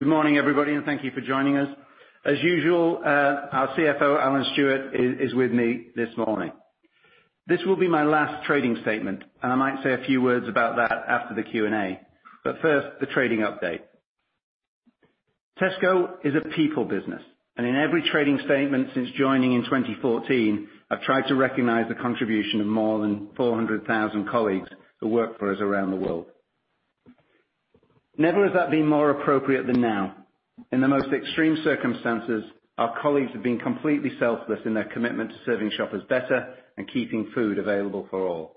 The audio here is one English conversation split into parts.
Good morning, everybody, and thank you for joining us. As usual, our CFO, Alan Stewart, is with me this morning. This will be my last trading statement, and I might say a few words about that after the Q&A. First, the trading update. Tesco is a people business, and in every trading statement since joining in 2014, I've tried to recognize the contribution of more than 400,000 colleagues who work for us around the world. Never has that been more appropriate than now. In the most extreme circumstances, our colleagues have been completely selfless in their commitment to serving shoppers better and keeping food available for all.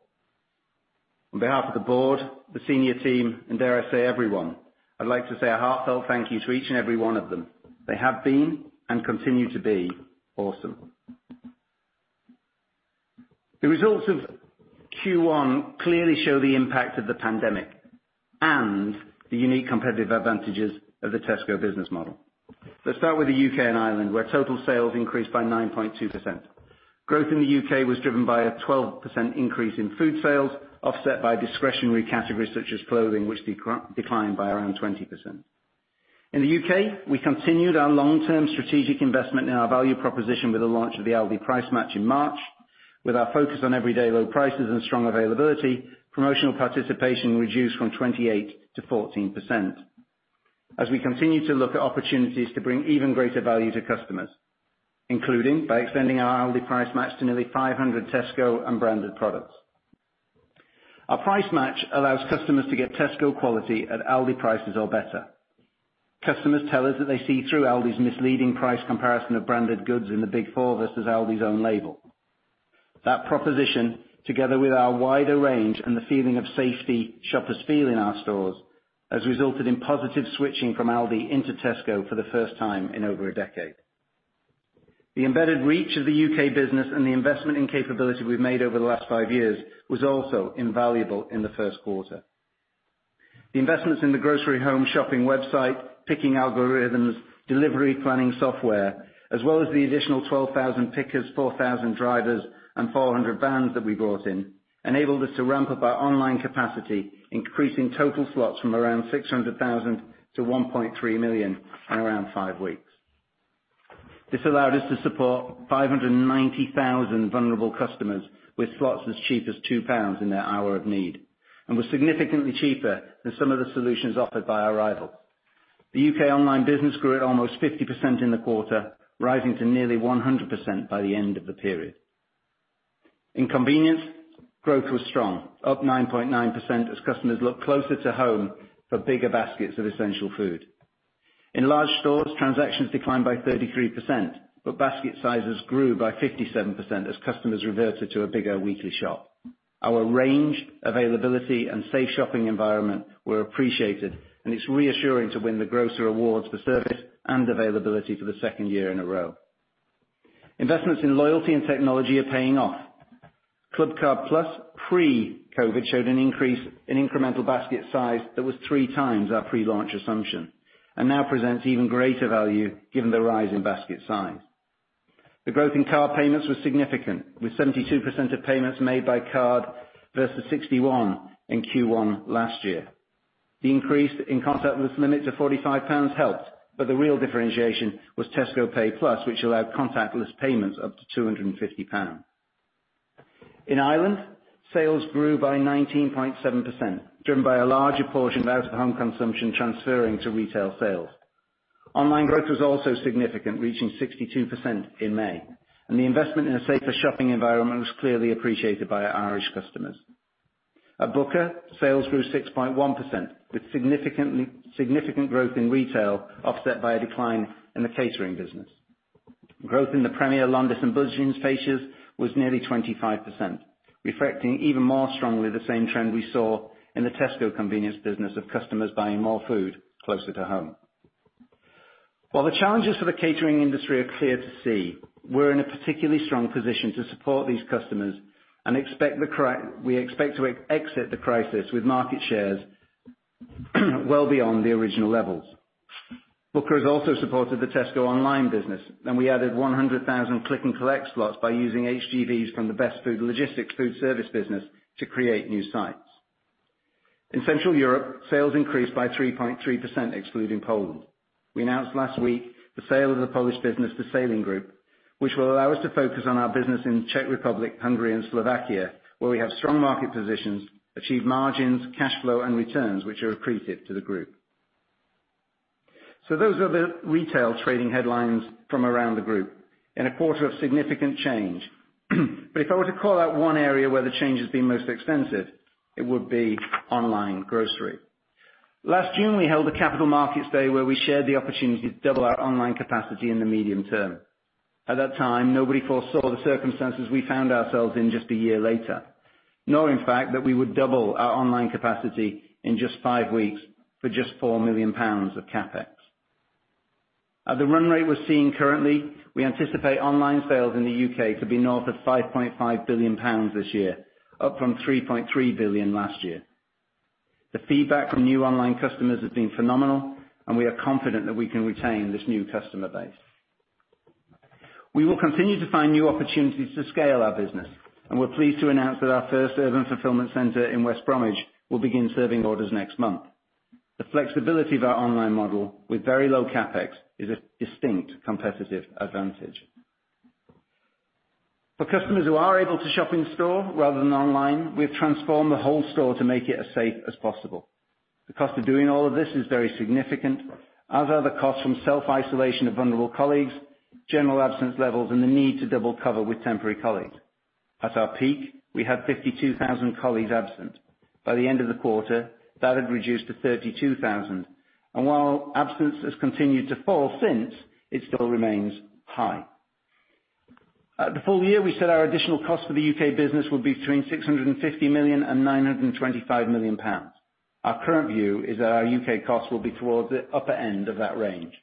On behalf of the board, the senior team, and dare I say, everyone, I'd like to say a heartfelt thank you to each and every one of them. They have been and continue to be awesome. The results of Q1 clearly show the impact of the pandemic and the unique competitive advantages of the Tesco business model. Let's start with the U.K. and Ireland, where total sales increased by 9.2%. Growth in the U.K. was driven by a 12% increase in food sales, offset by discretionary categories such as clothing, which declined by around 20%. In the U.K., we continued our long-term strategic investment in our value proposition with the launch of the ALDI Price Match in March. With our focus on everyday low prices and strong availability, promotional participation reduced from 28% to 14%. As we continue to look at opportunities to bring even greater value to customers, including by extending our ALDI Price Match to nearly 500 Tesco and branded products. Our price match allows customers to get Tesco quality at ALDI prices or better. Customers tell us that they see through ALDI's misleading price comparison of branded goods in the Big Four versus ALDI's own label. That proposition, together with our wider range and the feeling of safety shoppers feel in our stores, has resulted in positive switching from ALDI into Tesco for the first time in over a decade. The embedded reach of the U.K. business and the investment in capability we have made over the last five years was also invaluable in the first quarter. The investments in the grocery home shopping website, picking algorithms, delivery planning software, as well as the additional 12,000 pickers, 4,000 drivers, and 400 vans that we brought in, enabled us to ramp up our online capacity, increasing total slots from around 600,000 to 1.3 million in around five weeks. This allowed us to support 590,000 vulnerable customers with slots as cheap as 2 pounds in their hour of need, and was significantly cheaper than some of the solutions offered by our rivals. The U.K. online business grew at almost 50% in the quarter, rising to nearly 100% by the end of the period. In convenience, growth was strong, up 9.9% as customers looked closer to home for bigger baskets of essential food. In large stores, transactions declined by 33%, but basket sizes grew by 57% as customers reverted to a bigger weekly shop. Our range, availability, and safe shopping environment were appreciated, and it's reassuring to win the Grocer Awards for service and availability for the second year in a row. Investments in loyalty and technology are paying off. Clubcard Plus, pre-COVID, showed an increase in incremental basket size that was three times our pre-launch assumption, and now presents even greater value given the rise in basket size. The growth in card payments was significant, with 72% of payments made by card versus 61% in Q1 last year. The increase in contactless limit to 45 pounds helped, but the real differentiation was Tesco Pay+, which allowed contactless payments up to 250 pounds. In Ireland, sales grew by 19.7%, driven by a larger portion of out-of-home consumption transferring to retail sales. Online growth was also significant, reaching 62% in May, and the investment in a safer shopping environment was clearly appreciated by Irish customers. At Booker, sales grew 6.1%, with significant growth in retail offset by a decline in the catering business. Growth in the Premier, Londis, and Budgens spaces was nearly 25%, reflecting even more strongly the same trend we saw in the Tesco convenience business of customers buying more food closer to home. While the challenges for the catering industry are clear to see, we are in a particularly strong position to support these customers, and we expect to exit the crisis with market shares well beyond the original levels. Booker has also supported the Tesco online business, and we added 100,000 click-and-collect slots by using HGVs from the Best Food Logistics food service business to create new sites. In Central Europe, sales increased by 3.3%, excluding Poland. We announced last week the sale of the Polish business to Salling Group, which will allow us to focus on our business in the Czech Republic, Hungary, and Slovakia, where we have strong market positions, achieved margins, cash flow, and returns which are accretive to the group. Those are the retail trading headlines from around the group in a quarter of significant change. If I were to call out one area where the change has been most extensive, it would be online grocery. Last June, we held a capital markets day where we shared the opportunity to double our online capacity in the medium term. At that time, nobody foresaw the circumstances we found ourselves in just a year later, nor in fact that we would double our online capacity in just five weeks for just 4 million pounds of CapEx. At the run rate we're seeing currently, we anticipate online sales in the U.K. to be north of 5.5 billion pounds this year, up from 3.3 billion last year. The feedback from new online customers has been phenomenal, and we are confident that we can retain this new customer base. We will continue to find new opportunities to scale our business, and we're pleased to announce that our first Urban Fulfillment Centre in West Bromwich will begin serving orders next month. The flexibility of our online model with very low CapEx is a distinct competitive advantage. For customers who are able to shop in store rather than online, we've transformed the whole store to make it as safe as possible. The cost of doing all of this is very significant, as are the costs from self-isolation of vulnerable colleagues, general absence levels, and the need to double cover with temporary colleagues. At our peak, we had 52,000 colleagues absent. By the end of the quarter, that had reduced to 32,000. While absence has continued to fall since, it still remains high. At the full year, we said our additional costs for the U.K. business would be between 650 million and 925 million pounds. Our current view is that our U.K. costs will be towards the upper end of that range.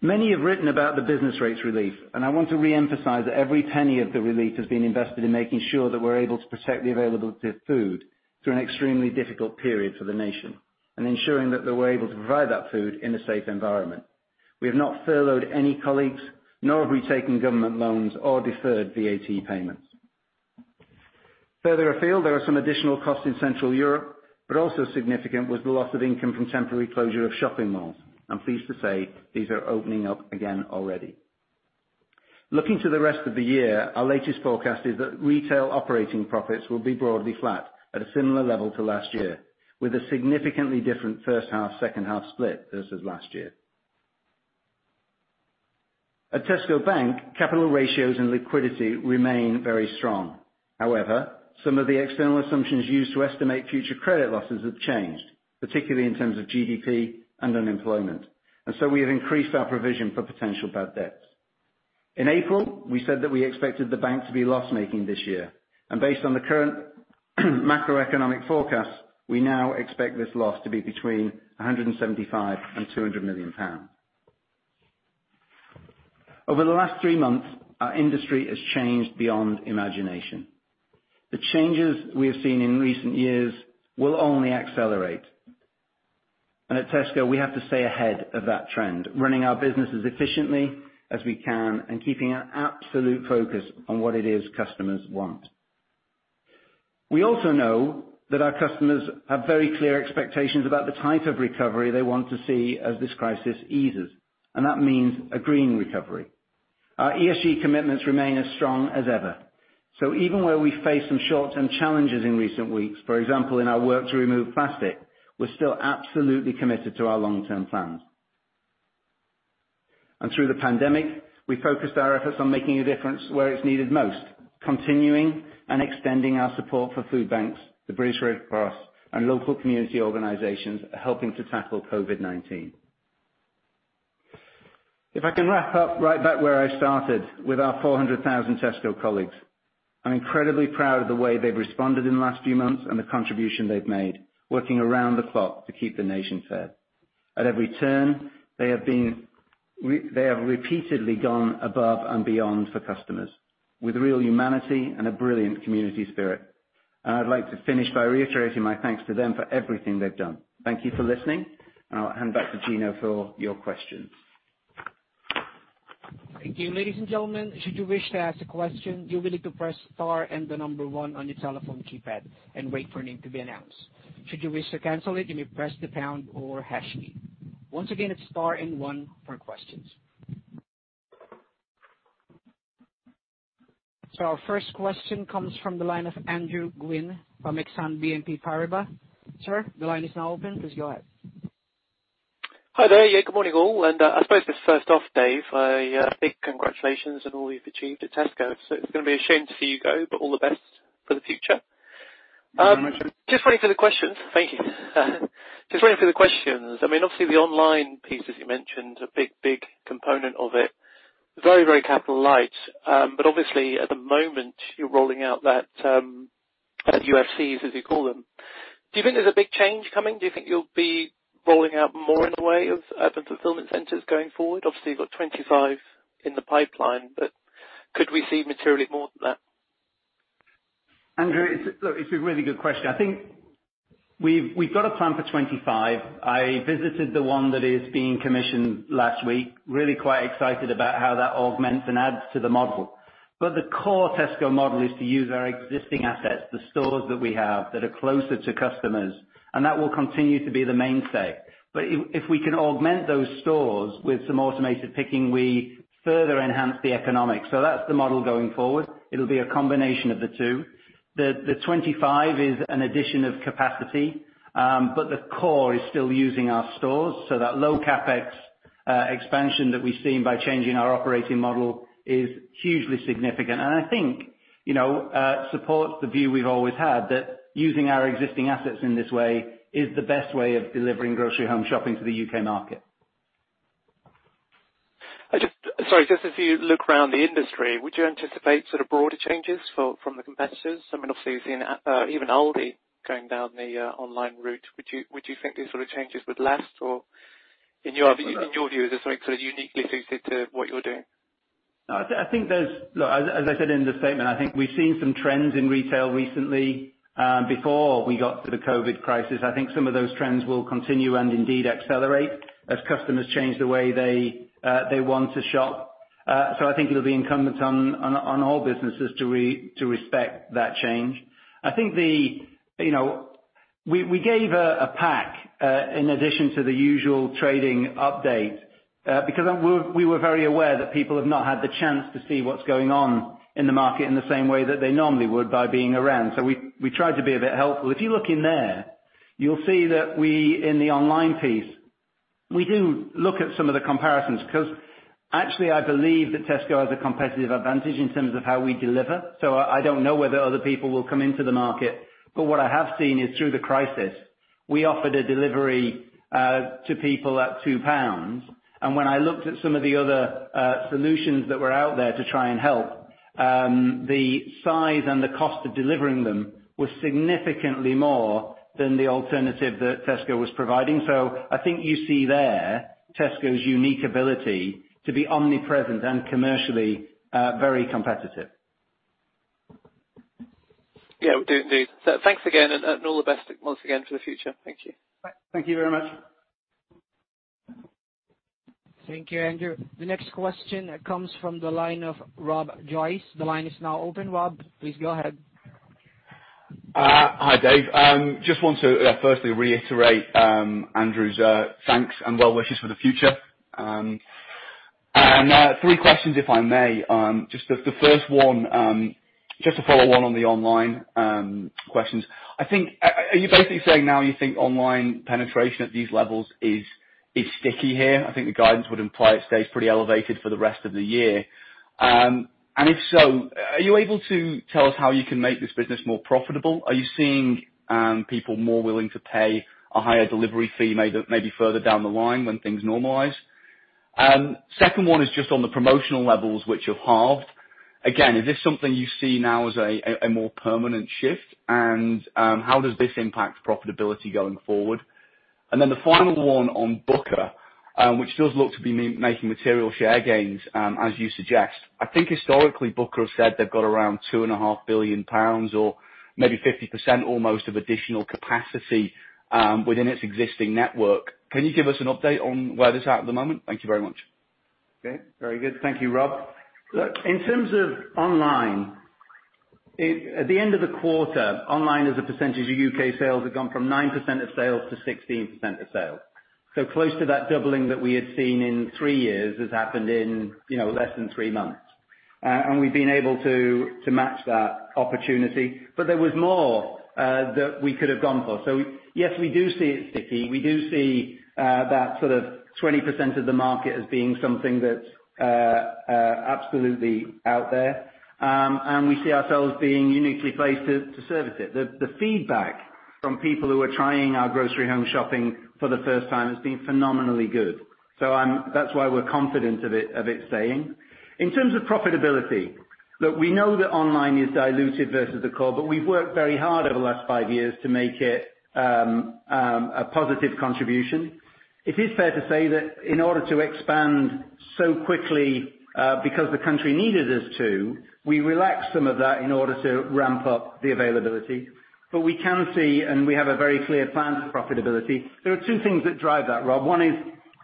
Many have written about the business rates relief, and I want to re-emphasize that every penny of the relief has been invested in making sure that we're able to protect the availability of food through an extremely difficult period for the nation and ensuring that we're able to provide that food in a safe environment. We have not furloughed any colleagues, nor have we taken government loans or deferred VAT payments. Further afield, there are some additional costs in Central Europe, but also significant was the loss of income from temporary closure of shopping malls. I'm pleased to say these are opening up again already. Looking to the rest of the year, our latest forecast is that retail operating profits will be broadly flat at a similar level to last year, with a significantly different first half, second half split versus last year. At Tesco Bank, capital ratios and liquidity remain very strong. However, some of the external assumptions used to estimate future credit losses have changed, particularly in terms of GDP and unemployment. We have increased our provision for potential bad debts. In April, we said that we expected the bank to be loss-making this year, and based on the current macroeconomic forecasts, we now expect this loss to be between 175 million and 200 million pounds. Over the last three months, our industry has changed beyond imagination. The changes we have seen in recent years will only accelerate. At Tesco, we have to stay ahead of that trend, running our business as efficiently as we can and keeping an absolute focus on what it is customers want. We also know that our customers have very clear expectations about the type of recovery they want to see as this crisis eases, and that means a green recovery. Our ESG commitments remain as strong as ever. Even where we face some short-term challenges in recent weeks, for example, in our work to remove plastic, we're still absolutely committed to our long-term plans. Through the pandemic, we focused our efforts on making a difference where it's needed most, continuing and extending our support for food banks, the British Red Cross, and local community organizations helping to tackle COVID-19. If I can wrap up right back where I started with our 400,000 Tesco colleagues, I'm incredibly proud of the way they've responded in the last few months and the contribution they've made, working around the clock to keep the nation fed. At every turn, they have repeatedly gone above and beyond for customers with real humanity and a brilliant community spirit. I'd like to finish by reiterating my thanks to them for everything they've done. Thank you for listening, and I'll hand back to Gino for your questions. Thank you. Ladies and gentlemen, should you wish to ask a question, you'll be able to press star and the number one on your telephone keypad and wait for a name to be announced. Should you wish to cancel it, you may press the pound or hash key. Once again, it's star and one for questions. Our first question comes from the line of Andrew Gwynn from Exane BNP Paribas. Sir, the line is now open. Please go ahead. Hi there. Yeah, good morning, all. I suppose to start off, Dave, a big congratulations on all you've achieved at Tesco. It's going to be a shame to see you go, but all the best for the future. Just waiting for the questions. Thank you. Just waiting for the questions. I mean, obviously, the online pieces you mentioned are a big, big component of it. Very, very capital-light. Obviously, at the moment, you're rolling out those UFCs, as you call them. Do you think there's a big change coming? Do you think you'll be rolling out more in the way of Urban Fulfillment Centres going forward? Obviously, you've got 25 in the pipeline, but could we see materially more than that? Andrew, it's a really good question. I think we've got a plan for 25. I visited the one that is being commissioned last week, really quite excited about how that augments and adds to the model. The core Tesco model is to use our existing assets, the stores that we have that are closer to customers, and that will continue to be the mainstay. If we can augment those stores with some automated picking, we further enhance the economic. That is the model going forward. It will be a combination of the two. The 25 is an addition of capacity, but the core is still using our stores. That low CapEx expansion that we've seen by changing our operating model is hugely significant. I think it supports the view we've always had that using our existing assets in this way is the best way of delivering grocery home shopping to the U.K. market. Sorry, just as you look around the industry, would you anticipate sort of broader changes from the competitors? I mean, obviously, you've seen even ALDI going down the online route. Would you think these sort of changes would last? Or in your view, is there something sort of uniquely suited to what you're doing? I think there's, look, as I said in the statement, I think we've seen some trends in retail recently. Before we got to the COVID crisis, I think some of those trends will continue and indeed accelerate as customers change the way they want to shop. I think it'll be incumbent on all businesses to respect that change. I think we gave a pack in addition to the usual trading update because we were very aware that people have not had the chance to see what's going on in the market in the same way that they normally would by being around. We tried to be a bit helpful. If you look in there, you'll see that we, in the online piece, we do look at some of the comparisons because actually, I believe that Tesco has a competitive advantage in terms of how we deliver. I do not know whether other people will come into the market, but what I have seen is through the crisis, we offered a delivery to people at 2 pounds. When I looked at some of the other solutions that were out there to try and help, the size and the cost of delivering them were significantly more than the alternative that Tesco was providing. I think you see there Tesco's unique ability to be omnipresent and commercially very competitive. Yeah. Thanks again, and all the best once again for the future. Thank you. Thank you very much. Thank you, Andrew. The next question comes from the line of Rob Joyce. The line is now open. Rob, please go ahead. Hi, Dave. Just want to firstly reiterate Andrew's thanks and well wishes for the future. Three questions, if I may. The first one, just to follow on the online questions. I think are you basically saying now you think online penetration at these levels is sticky here? I think the guidance would imply it stays pretty elevated for the rest of the year. If so, are you able to tell us how you can make this business more profitable? Are you seeing people more willing to pay a higher delivery fee maybe further down the line when things normalize? The second one is just on the promotional levels, which you've halved. Again, is this something you see now as a more permanent shift? How does this impact profitability going forward? The final one on Booker, which does look to be making material share gains as you suggest. I think historically, Booker has said they've got around 2.5 billion pounds or maybe 50% almost of additional capacity within its existing network. Can you give us an update on where this is at at the moment? Thank you very much. Okay. Very good. Thank you, Rob. In terms of online, at the end of the quarter, online as a percentage of U.K. sales had gone from 9% of sales to 16% of sales. Close to that doubling that we had seen in three years has happened in less than three months. We have been able to match that opportunity. There was more that we could have gone for. Yes, we do see it sticky. We do see that sort of 20% of the market as being something that is absolutely out there. We see ourselves being uniquely placed to service it. The feedback from people who are trying our grocery home shopping for the first time has been phenomenally good. That is why we are confident of it staying. In terms of profitability, look, we know that online is diluted versus the core, but we've worked very hard over the last five years to make it a positive contribution. It is fair to say that in order to expand so quickly because the country needed us to, we relaxed some of that in order to ramp up the availability. We can see, and we have a very clear plan for profitability. There are two things that drive that, Rob. One is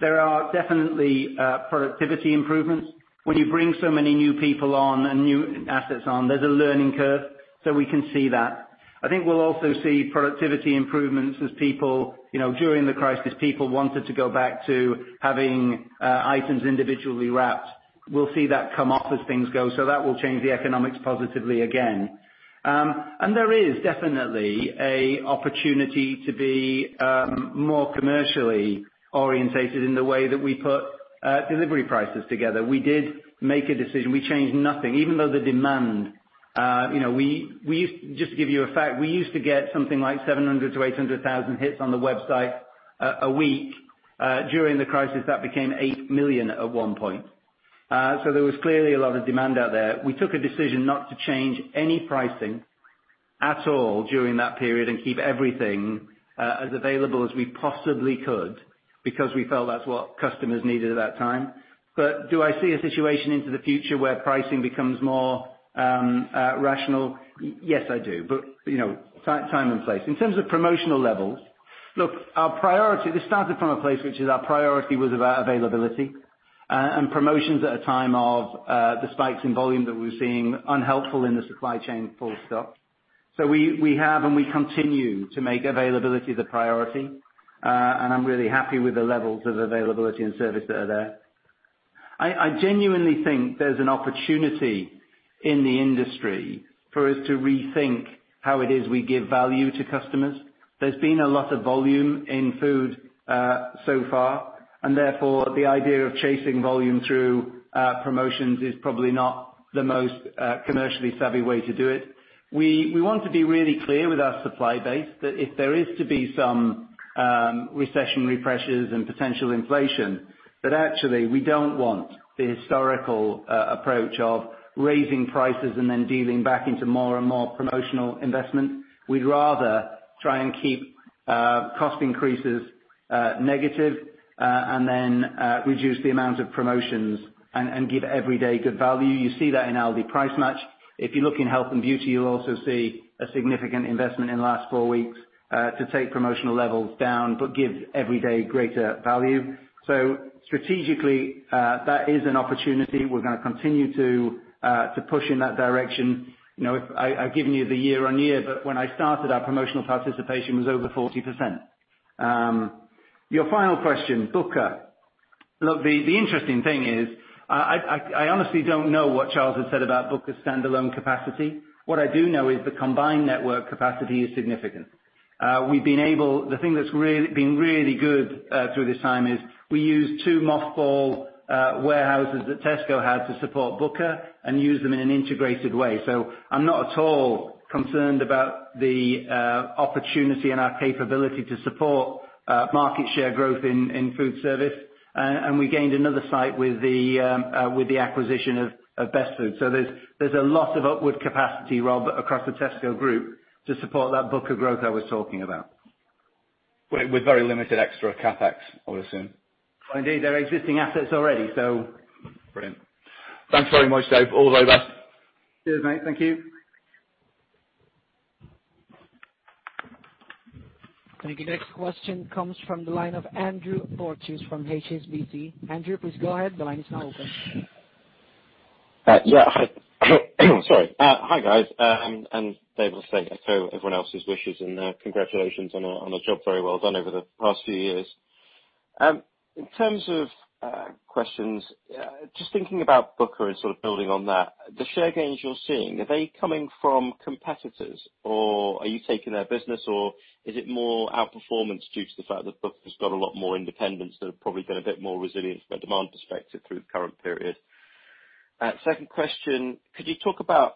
there are definitely productivity improvements. When you bring so many new people on and new assets on, there's a learning curve. We can see that. I think we'll also see productivity improvements as people during the crisis, people wanted to go back to having items individually wrapped. We'll see that come off as things go. That will change the economics positively again. There is definitely an opportunity to be more commercially orientated in the way that we put delivery prices together. We did make a decision. We changed nothing. Even though the demand, we used to, just to give you a fact, we used to get something like 700,000 hits-800,000 hits on the website a week. During the crisis, that became 8 million at one point. There was clearly a lot of demand out there. We took a decision not to change any pricing at all during that period and keep everything as available as we possibly could because we felt that's what customers needed at that time. Do I see a situation into the future where pricing becomes more rational? Yes, I do. Time and place. In terms of promotional levels, look, our priority, this started from a place which is our priority was about availability. Promotions at a time of the spikes in volume that we're seeing are unhelpful in the supply chain, full stop. We have and we continue to make availability the priority. I'm really happy with the levels of availability and service that are there. I genuinely think there's an opportunity in the industry for us to rethink how it is we give value to customers. There's been a lot of volume in food so far. Therefore, the idea of chasing volume through promotions is probably not the most commercially savvy way to do it. We want to be really clear with our supply base that if there is to be some recessionary pressures and potential inflation, actually we don't want the historical approach of raising prices and then dealing back into more and more promotional investment. We'd rather try and keep cost increases negative and then reduce the amount of promotions and give everyday good value. You see that in ALDI Price Match. If you look in health and beauty, you'll also see a significant investment in the last four weeks to take promotional levels down but give everyday greater value. Strategically, that is an opportunity. We're going to continue to push in that direction. I've given you the year-on-year, but when I started, our promotional participation was over 40%. Your final question, Booker. The interesting thing is I honestly don't know what Charles had said about Booker's standalone capacity. What I do know is the combined network capacity is significant. The thing that's been really good through this time is we used two mothball warehouses that Tesco had to support Booker and used them in an integrated way. I'm not at all concerned about the opportunity and our capability to support market share growth in food service. We gained another site with the acquisition of Best Food. There's a lot of upward capacity, Rob, across the Tesco group to support that Booker growth I was talking about. With very limited extra CapEx, I would assume. Indeed. They're existing assets already, so. Brilliant. Thanks very much, Dave. All the best. Cheers, mate. Thank you. The next question comes from the line of Andrew Porteous from HSBC. Andrew, please go ahead. The line is now open. Yeah. Hi. Sorry. Hi, guys. Dave, I'll just say, I throw everyone else's wishes and congratulations on a job very well done over the past few years. In terms of questions, just thinking about Booker and sort of building on that, the share gains you're seeing, are they coming from competitors or are you taking their business or is it more outperformance due to the fact that Booker's got a lot more independence that have probably been a bit more resilient from a demand perspective through the current period? Second question, could you talk about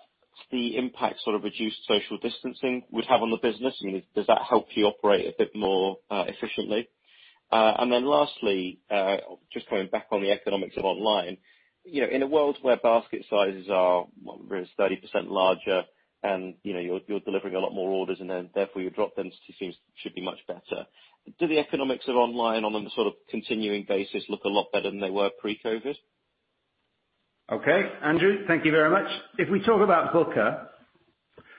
the impact sort of reduced social distancing would have on the business? Does that help you operate a bit more efficiently? Lastly, just going back on the economics of online, in a world where basket sizes are 30% larger and you're delivering a lot more orders and therefore your drop density should be much better, do the economics of online on a sort of continuing basis look a lot better than they were pre-COVID? Okay. Andrew, thank you very much. If we talk about Booker,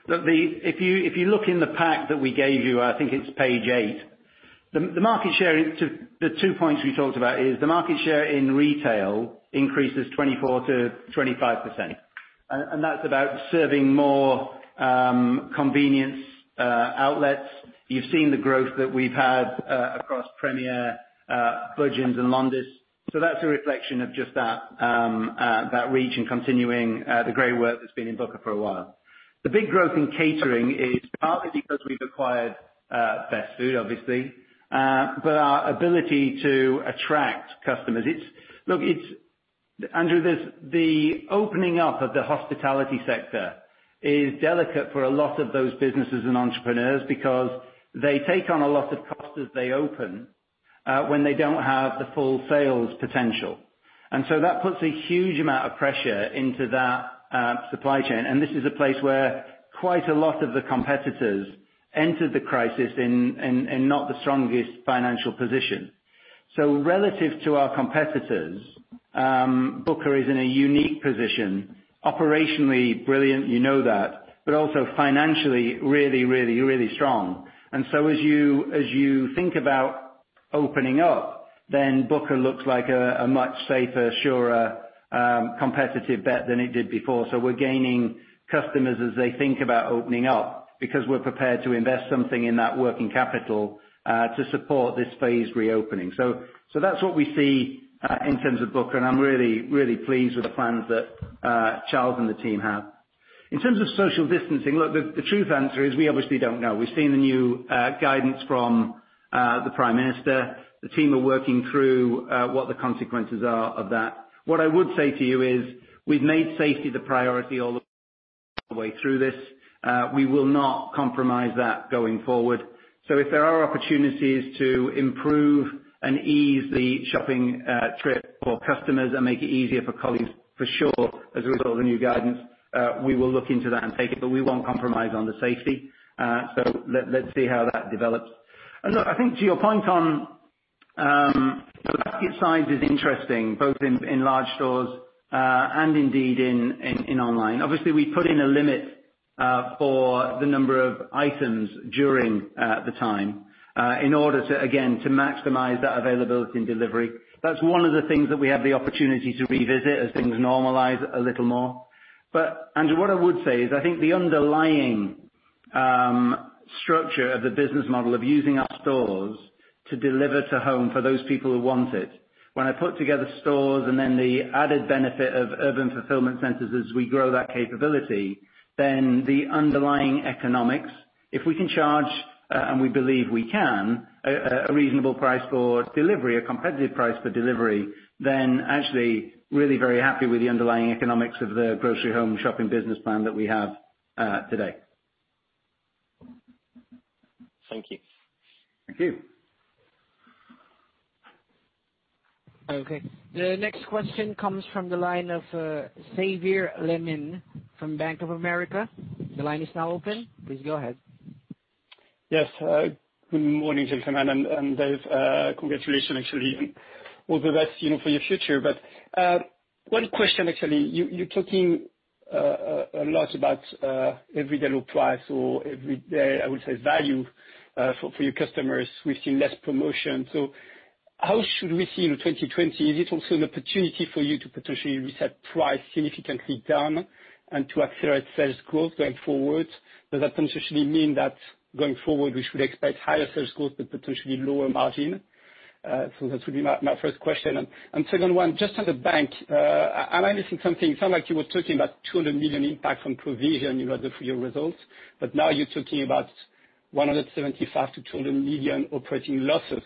look, if you look in the pack that we gave you, I think it's page eight, the market share to the two points we talked about is the market share in retail increases 24% to 25%. And that's about serving more convenience outlets. You've seen the growth that we've had across Premier, Budgens, and Londis. So that's a reflection of just that reach and continuing the great work that's been in Booker for a while. The big growth in catering is partly because we've acquired Best Food, obviously, but our ability to attract customers. Look, Andrew, the opening up of the hospitality sector is delicate for a lot of those businesses and entrepreneurs because they take on a lot of costs as they open when they don't have the full sales potential. That puts a huge amount of pressure into that supply chain. This is a place where quite a lot of the competitors entered the crisis in not the strongest financial position. Relative to our competitors, Booker is in a unique position, operationally brilliant, you know that, but also financially really, really, really strong. As you think about opening up, then Booker looks like a much safer, surer competitive bet than it did before. We are gaining customers as they think about opening up because we are prepared to invest something in that working capital to support this phased reopening. That is what we see in terms of Booker. I am really, really pleased with the plans that Charles and the team have. In terms of social distancing, look, the truth answer is we obviously do not know. We have seen the new guidance from the Prime Minister. The team are working through what the consequences are of that. What I would say to you is we've made safety the priority all the way through this. We will not compromise that going forward. If there are opportunities to improve and ease the shopping trip for customers and make it easier for colleagues, for sure, as a result of the new guidance, we will look into that and take it. We will not compromise on the safety. Let's see how that develops. I think to your point on the basket size is interesting, both in large stores and indeed in online. Obviously, we put in a limit for the number of items during the time in order to, again, to maximize that availability and delivery. That's one of the things that we have the opportunity to revisit as things normalize a little more. Andrew, what I would say is I think the underlying structure of the business model of using our stores to deliver to home for those people who want it, when I put together stores and then the added benefit of urban fulfillment centers as we grow that capability, then the underlying economics, if we can charge and we believe we can a reasonable price for delivery, a competitive price for delivery, then actually really very happy with the underlying economics of the grocery home shopping business plan that we have today. Thank you. Thank you. Okay. The next question comes from the line of Xavier Le Mené from Bank of America. The line is now open. Please go ahead. Yes. Good morning, gentlemen. And Dave, congratulations actually. All the best for your future. One question actually. You're talking a lot about everyday low price or everyday, I would say, value for your customers. We've seen less promotion. How should we see 2020? Is it also an opportunity for you to potentially reset price significantly down and to accelerate sales growth going forward? Does that potentially mean that going forward, we should expect higher sales growth but potentially lower margin? That would be my first question. Second one, just as a bank, am I missing something? It sounds like you were talking about 200 million impact from provision for your results. Now you're talking about 175 million-200 million operating losses.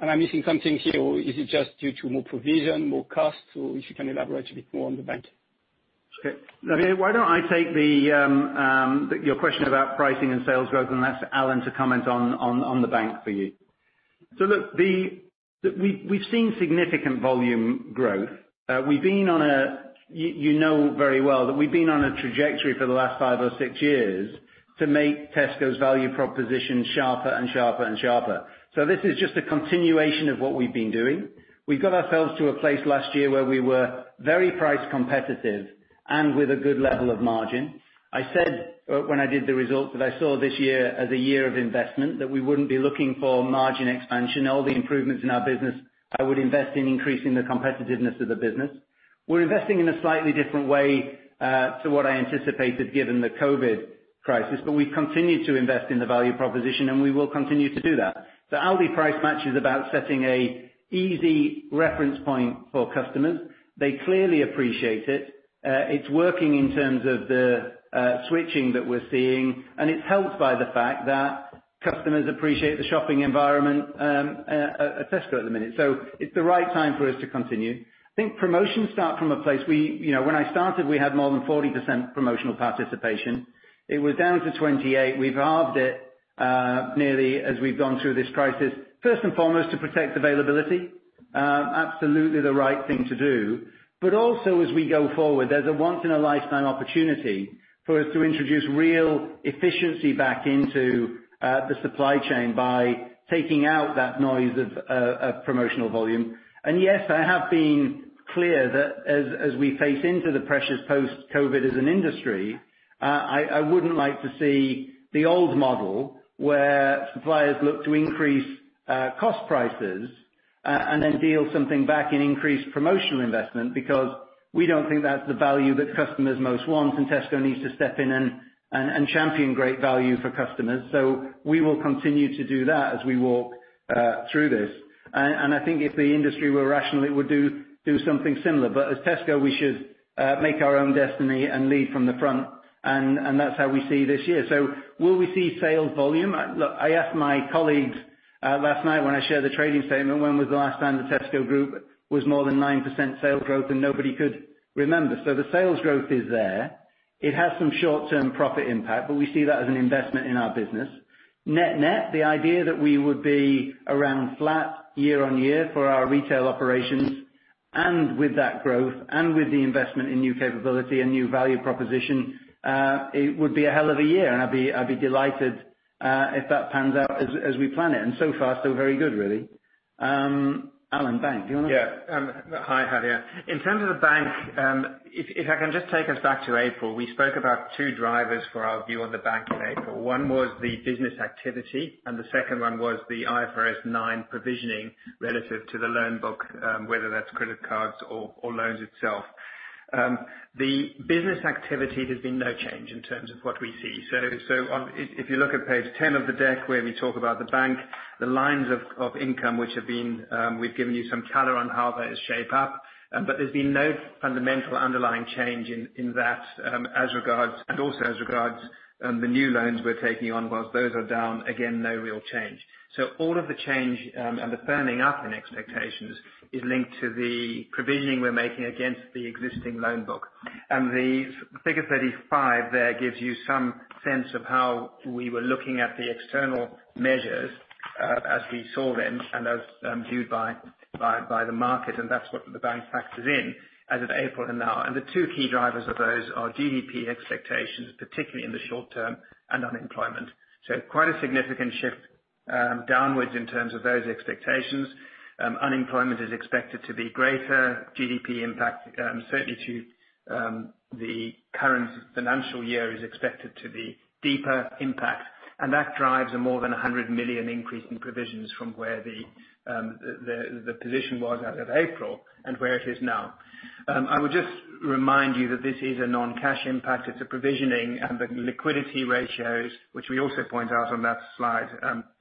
Am I missing something here or is it just due to more provision, more cost? If you can elaborate a bit more on the bank. Okay. Why don't I take your question about pricing and sales growth and ask Alan to comment on the bank for you? Look, we've seen significant volume growth. You know very well that we've been on a trajectory for the last five or six years to make Tesco's value proposition sharper and sharper and sharper. This is just a continuation of what we've been doing. We've got ourselves to a place last year where we were very price competitive and with a good level of margin. I said when I did the results that I saw this year as a year of investment, that we wouldn't be looking for margin expansion. All the improvements in our business, I would invest in increasing the competitiveness of the business. We're investing in a slightly different way to what I anticipated given the COVID crisis. We have continued to invest in the value proposition and we will continue to do that. The ALDI Price Match is about setting an easy reference point for customers. They clearly appreciate it. It is working in terms of the switching that we are seeing. It is helped by the fact that customers appreciate the shopping environment at Tesco at the minute. It is the right time for us to continue. I think promotions start from a place when I started, we had more than 40% promotional participation. It was down to 28%. We have halved it nearly as we have gone through this crisis. First and foremost, to protect availability. Absolutely the right thing to do. Also, as we go forward, there is a once-in-a-lifetime opportunity for us to introduce real efficiency back into the supply chain by taking out that noise of promotional volume. Yes, I have been clear that as we face into the pressures post-COVID as an industry, I would not like to see the old model where suppliers look to increase cost prices and then deal something back in increased promotional investment because we do not think that is the value that customers most want and Tesco needs to step in and champion great value for customers. We will continue to do that as we walk through this. I think if the industry were rational, it would do something similar. As Tesco, we should make our own destiny and lead from the front. That is how we see this year. Will we see sales volume? I asked my colleagues last night when I shared the trading statement, when was the last time the Tesco Group was more than 9% sales growth and nobody could remember. The sales growth is there. It has some short-term profit impact, but we see that as an investment in our business. Net net, the idea that we would be around flat year-on-year for our retail operations and with that growth and with the investment in new capability and new value proposition, it would be a hell of a year. I'd be delighted if that pans out as we plan it. So far, so very good, really. Alan, thanks. Do you want to? Yeah. Hi, Xavier. In terms of the bank, if I can just take us back to April, we spoke about two drivers for our view on the bank in April. One was the business activity and the second one was the IFRS 9 provisioning relative to the loan book, whether that's credit cards or loans itself. The business activity has been no change in terms of what we see. If you look at page 10 of the deck where we talk about the bank, the lines of income which have been we've given you some color on how those shape up. There's been no fundamental underlying change in that as regards and also as regards the new loans we're taking on, whilst those are down, again, no real change. All of the change and the firming up in expectations is linked to the provisioning we are making against the existing loan book. The figure 35 there gives you some sense of how we were looking at the external measures as we saw them and as viewed by the market. That is what the bank factors in as of April and now. The two key drivers of those are GDP expectations, particularly in the short term, and unemployment. Quite a significant shift downwards in terms of those expectations. Unemployment is expected to be greater. GDP impact, certainly to the current financial year, is expected to be deeper impact. That drives a more than 100 million increase in provisions from where the position was as of April and where it is now. I would just remind you that this is a non-cash impact. It's a provisioning and the liquidity ratios, which we also point out on that slide,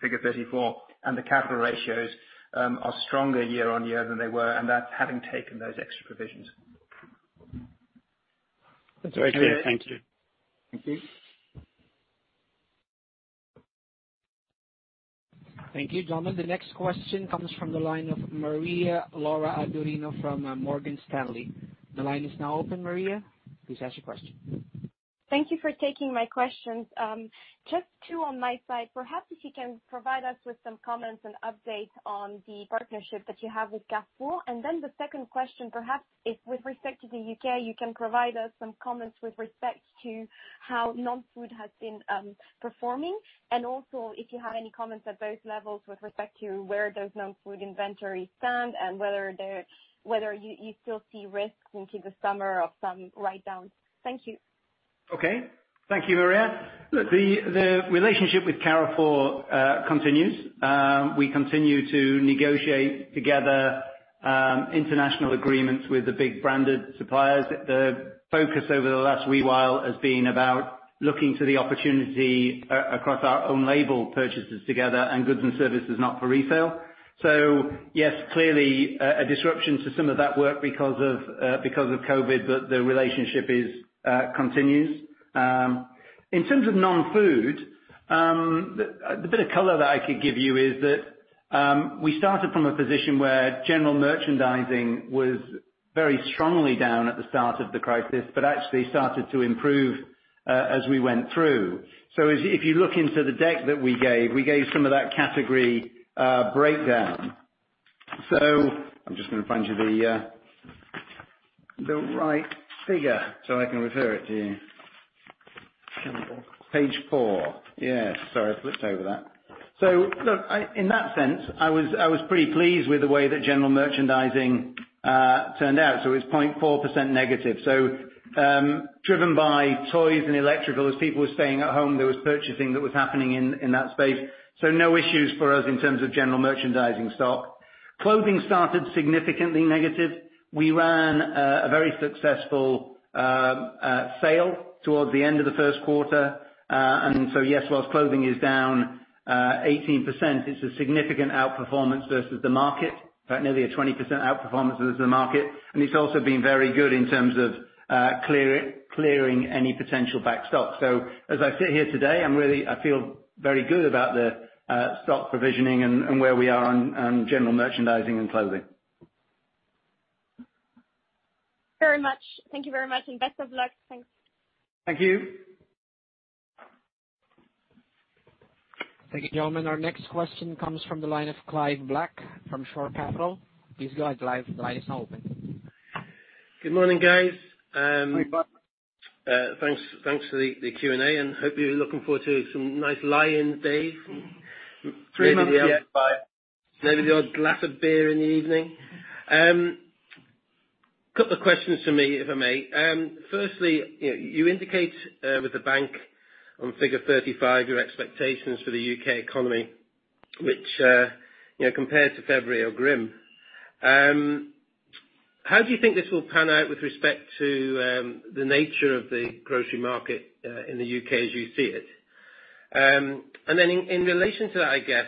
figure 34, and the capital ratios are stronger year-on-year than they were. That's having taken those extra provisions. That's very clear. Thank you. Thank you. Thank you, John. The next question comes from the line of Maria-Laura Adurno from Morgan Stanley. The line is now open, Maria. Please ask your question. Thank you for taking my questions. Just two on my side. Perhaps if you can provide us with some comments and updates on the partnership that you have with Carrefour. The second question, perhaps if with respect to the U.K., you can provide us some comments with respect to how non-food has been performing. Also if you have any comments at those levels with respect to where those non-food inventories stand and whether you still see risks into the summer of some write-down. Thank you. Okay. Thank you, Maria. The relationship with Carrefour continues. We continue to negotiate together international agreements with the big branded suppliers. The focus over the last wee while has been about looking to the opportunity across our own label purchases together and goods and services not for resale. Yes, clearly a disruption to some of that work because of COVID, but the relationship continues. In terms of non-food, the bit of color that I could give you is that we started from a position where general merchandising was very strongly down at the start of the crisis, but actually started to improve as we went through. If you look into the deck that we gave, we gave some of that category breakdown. I am just going to find you the right figure so I can refer it to you. Page 4. Yes. Sorry, I flipped over that. In that sense, I was pretty pleased with the way that general merchandising turned out. It was 0.4%-. Driven by toys and electricals, people were staying at home. There was purchasing that was happening in that space. No issues for us in terms of general merchandising stock. Clothing started significantly negative. We ran a very successful sale towards the end of the first quarter. Yes, whilst clothing is down 18%, it is a significant outperformance versus the market, nearly a 20% outperformance versus the market. It has also been very good in terms of clearing any potential backstock. As I sit here today, I feel very good about the stock provisioning and where we are on general merchandising and clothing. Thank you very much. And best of luck. Thanks. Thank you. Thank you, gentlemen. Our next question comes from the line of Clive Black from Shore Capital. Please go ahead. The line is now open. Good morning, guys. Thanks for the Q&A. Hopefully, you're looking forward to some nice lie-ins, Dave. Maybe the odd glass of beer in the evening. A couple of questions for me, if I may. Firstly, you indicate with the bank on figure 35 your expectations for the U.K. economy, which compared to February are grim. How do you think this will pan out with respect to the nature of the grocery market in the U.K. as you see it? In relation to that, I guess,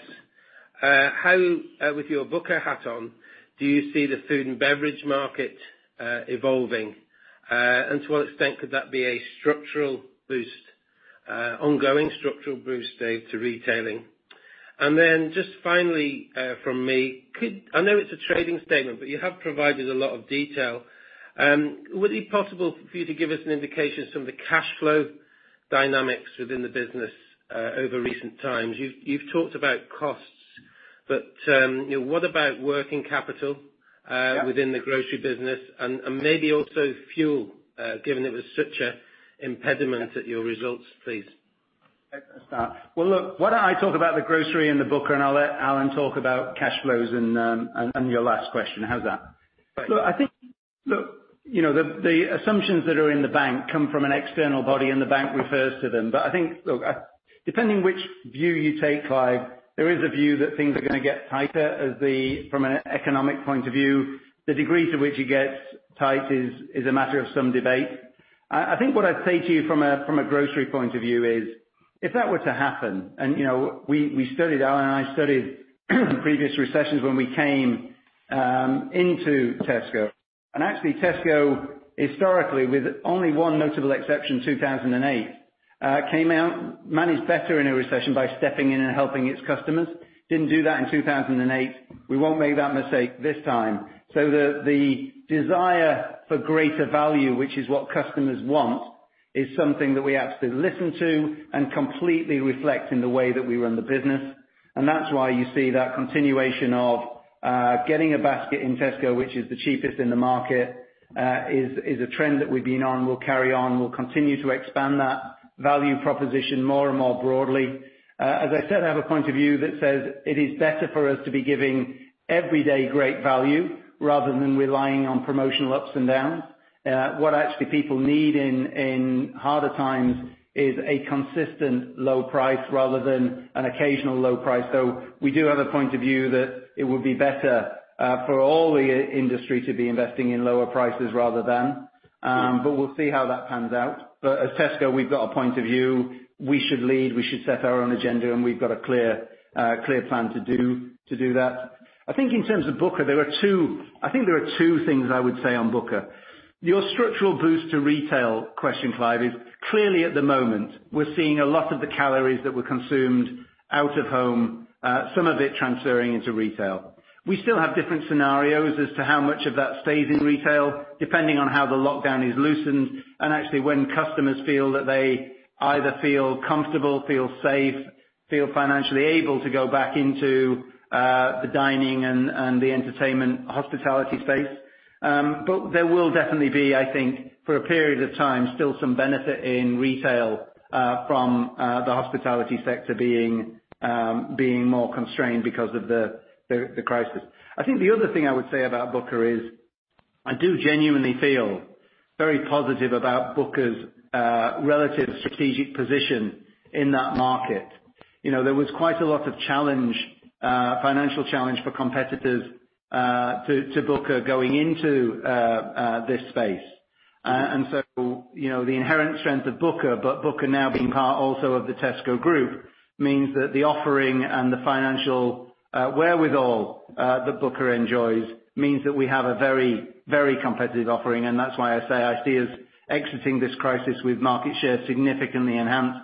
with your Booker hat on, do you see the food and beverage market evolving? To what extent could that be an ongoing structural boost, Dave, to retailing? Just finally from me, I know it's a trading statement, but you have provided a lot of detail. Would it be possible for you to give us an indication of some of the cash flow dynamics within the business over recent times? You've talked about costs, but what about working capital within the grocery business? Maybe also fuel, given it was such an impediment at your results, please. Look, why don't I talk about the grocery and the Booker, and I'll let Alan talk about cash flows and your last question. How's that? I think the assumptions that are in the bank come from an external body, and the bank refers to them. I think, depending which view you take, Clive, there is a view that things are going to get tighter from an economic point of view. The degree to which it gets tight is a matter of some debate. I think what I'd say to you from a grocery point of view is, if that were to happen, and we studied, Alan and I studied previous recessions when we came into Tesco. Actually, Tesco historically, with only one notable exception, 2008, came out, managed better in a recession by stepping in and helping its customers. Didn't do that in 2008. We will not make that mistake this time. The desire for greater value, which is what customers want, is something that we absolutely listen to and completely reflect in the way that we run the business. That is why you see that continuation of getting a basket in Tesco, which is the cheapest in the market, is a trend that we have been on. We will carry on. We will continue to expand that value proposition more and more broadly. As I said, I have a point of view that says it is better for us to be giving everyday great value rather than relying on promotional ups and downs. What actually people need in harder times is a consistent low price rather than an occasional low price. We do have a point of view that it would be better for all the industry to be investing in lower prices rather than. We will see how that pans out. As Tesco, we have got a point of view. We should lead. We should set our own agenda. We have got a clear plan to do that. I think in terms of Booker, there are two things I would say on Booker. Your structural boost to retail question, Clive, is clearly at the moment, we are seeing a lot of the calories that were consumed out of home, some of it transferring into retail. We still have different scenarios as to how much of that stays in retail, depending on how the lockdown is loosened and actually when customers feel that they either feel comfortable, feel safe, feel financially able to go back into the dining and the entertainment hospitality space. There will definitely be, I think, for a period of time, still some benefit in retail from the hospitality sector being more constrained because of the crisis. I think the other thing I would say about Booker is I do genuinely feel very positive about Booker's relative strategic position in that market. There was quite a lot of financial challenge for competitors to Booker going into this space. The inherent strength of Booker, but Booker now being part also of the Tesco Group, means that the offering and the financial wherewithal that Booker enjoys means that we have a very, very competitive offering. That is why I say I see us exiting this crisis with market share significantly enhanced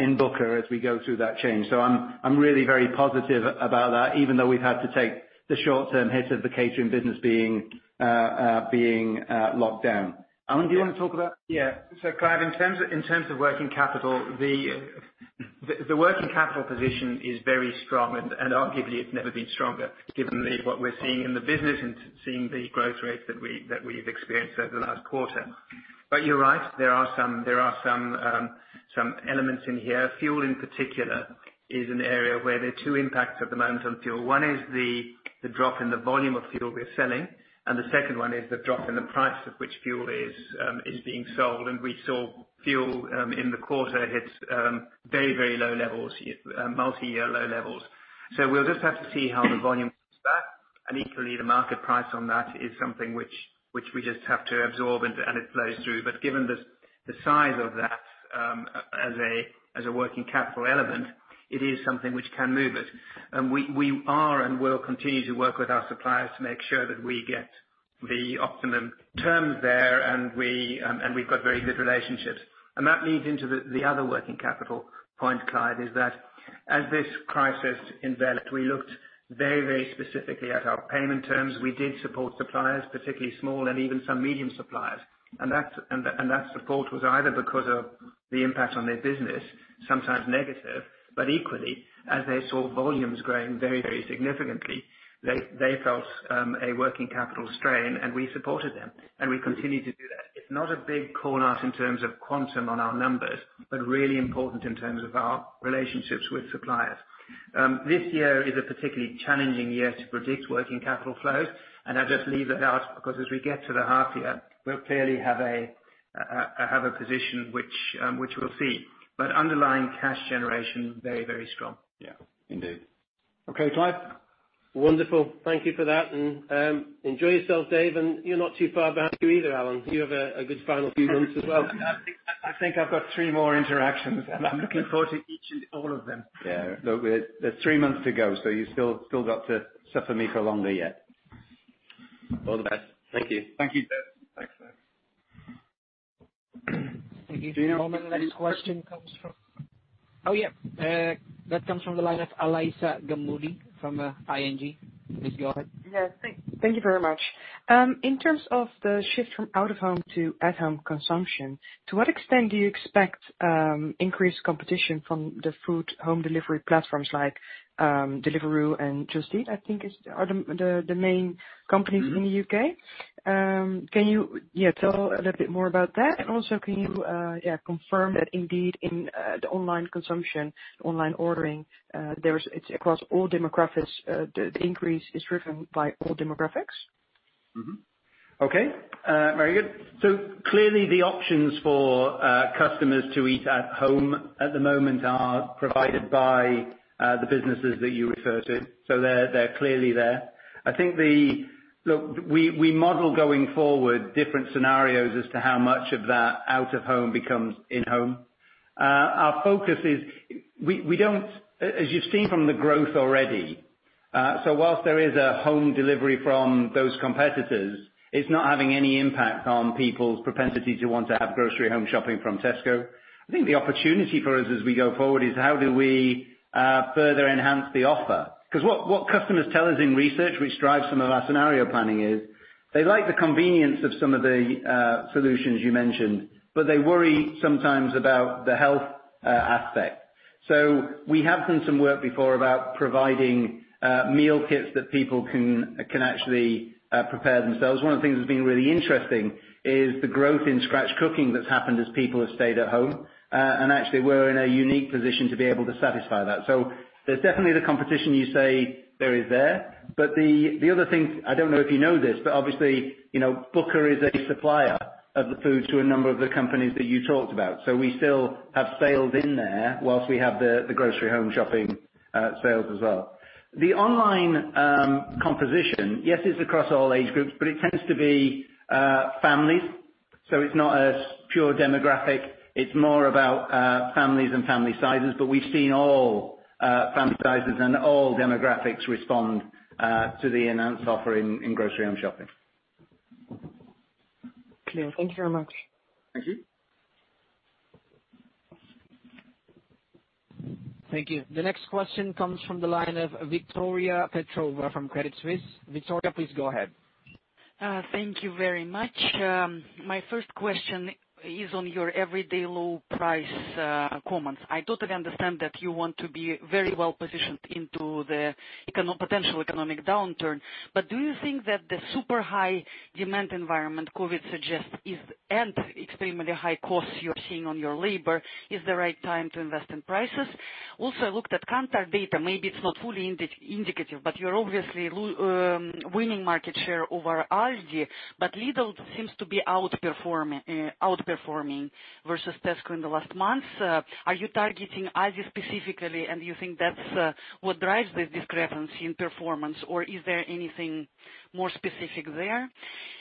in Booker as we go through that change. I'm really very positive about that, even though we've had to take the short-term hit of the catering business being locked down. Alan, do you want to talk about that? Yeah. Clive, in terms of working capital, the working capital position is very strong. Arguably, it's never been stronger given what we're seeing in the business and seeing the growth rates that we've experienced over the last quarter. You're right. There are some elements in here. Fuel in particular is an area where there are two impacts at the moment on fuel. One is the drop in the volume of fuel we're selling. The second one is the drop in the price at which fuel is being sold. We saw fuel in the quarter hit very, very low levels, multi-year low levels. We'll just have to see how the volume comes back. Equally, the market price on that is something which we just have to absorb and it flows through. Given the size of that as a working capital element, it is something which can move us. We are and will continue to work with our suppliers to make sure that we get the optimum terms there. We have very good relationships. That leads into the other working capital point, Clive, which is that as this crisis enveloped, we looked very, very specifically at our payment terms. We did support suppliers, particularly small and even some medium suppliers. That support was either because of the impact on their business, sometimes negative. Equally, as they saw volumes growing very, very significantly, they felt a working capital strain. We supported them. We continue to do that. It is not a big call out in terms of quantum on our numbers, but really important in terms of our relationships with suppliers. This year is a particularly challenging year to predict working capital flows. I just leave that out because as we get to the half year, we'll clearly have a position which we'll see. Underlying cash generation, very, very strong. Yeah. Indeed. Okay. Clive? Wonderful. Thank you for that. Enjoy yourself, Dave. You are not too far behind you either, Alan. You have a good final few months as well. I think I've got three more interactions. I'm looking forward to each and all of them. Yeah. Look, there's three months to go. You still got to suffer me for longer yet. All the best. Thank you. Thank you, Dave. Thanks, guys. Thank you. Do you know when the next question comes from? Oh, yeah. That comes from the line of Alyssa Gammoudy from ING. Please go ahead. Yes. Thank you very much. In terms of the shift from out-of-home to at-home consumption, to what extent do you expect increased competition from the food home delivery platforms like Deliveroo and Just Eat, I think, are the main companies in the U.K.? Can you, yeah, tell a little bit more about that? Also, can you, yeah, confirm that indeed in the online consumption, online ordering, it is across all demographics. The increase is driven by all demographics? Okay. Very good. Clearly, the options for customers to eat at home at the moment are provided by the businesses that you refer to. They are clearly there. I think, look, we model going forward different scenarios as to how much of that out-of-home becomes in-home. Our focus is we do not, as you have seen from the growth already, so whilst there is a home delivery from those competitors, it is not having any impact on people's propensity to want to have grocery home shopping from Tesco. I think the opportunity for us as we go forward is how do we further enhance the offer? Because what customers tell us in research, which drives some of our scenario planning, is they like the convenience of some of the solutions you mentioned, but they worry sometimes about the health aspect. We have done some work before about providing meal kits that people can actually prepare themselves. One of the things that's been really interesting is the growth in scratch cooking that's happened as people have stayed at home. Actually, we're in a unique position to be able to satisfy that. There's definitely the competition you say there is there. The other thing, I don't know if you know this, but obviously, Booker is a supplier of the food to a number of the companies that you talked about. We still have sales in there whilst we have the grocery home shopping sales as well. The online composition, yes, it's across all age groups, but it tends to be families. It's not a pure demographic. It's more about families and family sizes. We have seen all family sizes and all demographics respond to the enhanced offer in grocery home shopping. Clear. Thank you very much. Thank you. Thank you. The next question comes from the line of Victoria Petrov from Credit Suisse. Victoria, please go ahead. Thank you very much. My first question is on your everyday low price comments. I totally understand that you want to be very well positioned into the potential economic downturn. Do you think that the super high demand environment COVID suggests and extremely high costs you're seeing on your labor is the right time to invest in prices? I looked at Kantar data. Maybe it's not fully indicative, but you're obviously winning market share over ALDI, but Lidl seems to be outperforming versus Tesco in the last months. Are you targeting ALDI specifically, and do you think that's what drives this discrepancy in performance, or is there anything more specific there?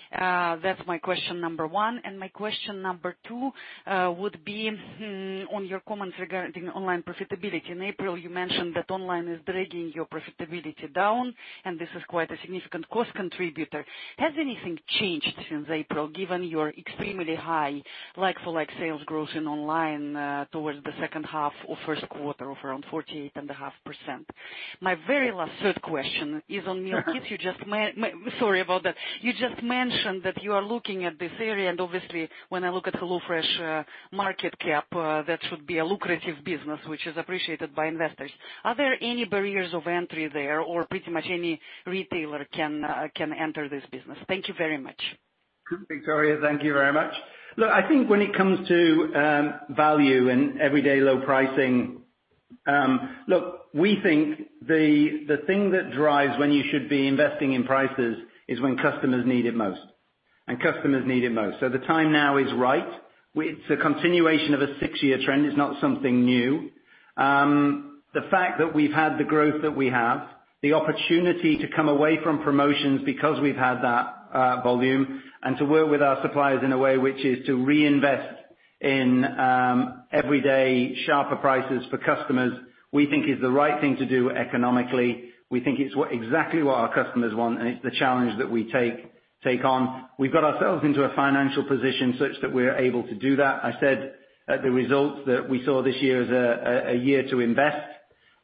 That's my question number one. My question number two would be on your comments regarding online profitability. In April, you mentioned that online is dragging your profitability down, and this is quite a significant cost contributor. Has anything changed since April, given your extremely high like-for-like sales growth in online towards the second half or first quarter of around 48.5%? My very last third question is on meal kits. Sorry about that. You just mentioned that you are looking at this area. Obviously, when I look at HelloFresh market cap, that should be a lucrative business, which is appreciated by investors. Are there any barriers of entry there, or pretty much any retailer can enter this business? Thank you very much. Victoria, thank you very much. Look, I think when it comes to value and everyday low pricing, we think the thing that drives when you should be investing in prices is when customers need it most. Customers need it most. The time now is right. It is a continuation of a six-year trend. It is not something new. The fact that we have had the growth that we have, the opportunity to come away from promotions because we have had that volume, and to work with our suppliers in a way which is to reinvest in everyday sharper prices for customers, we think is the right thing to do economically. We think it is exactly what our customers want, and it is the challenge that we take on. We have got ourselves into a financial position such that we are able to do that. I said the results that we saw this year is a year to invest.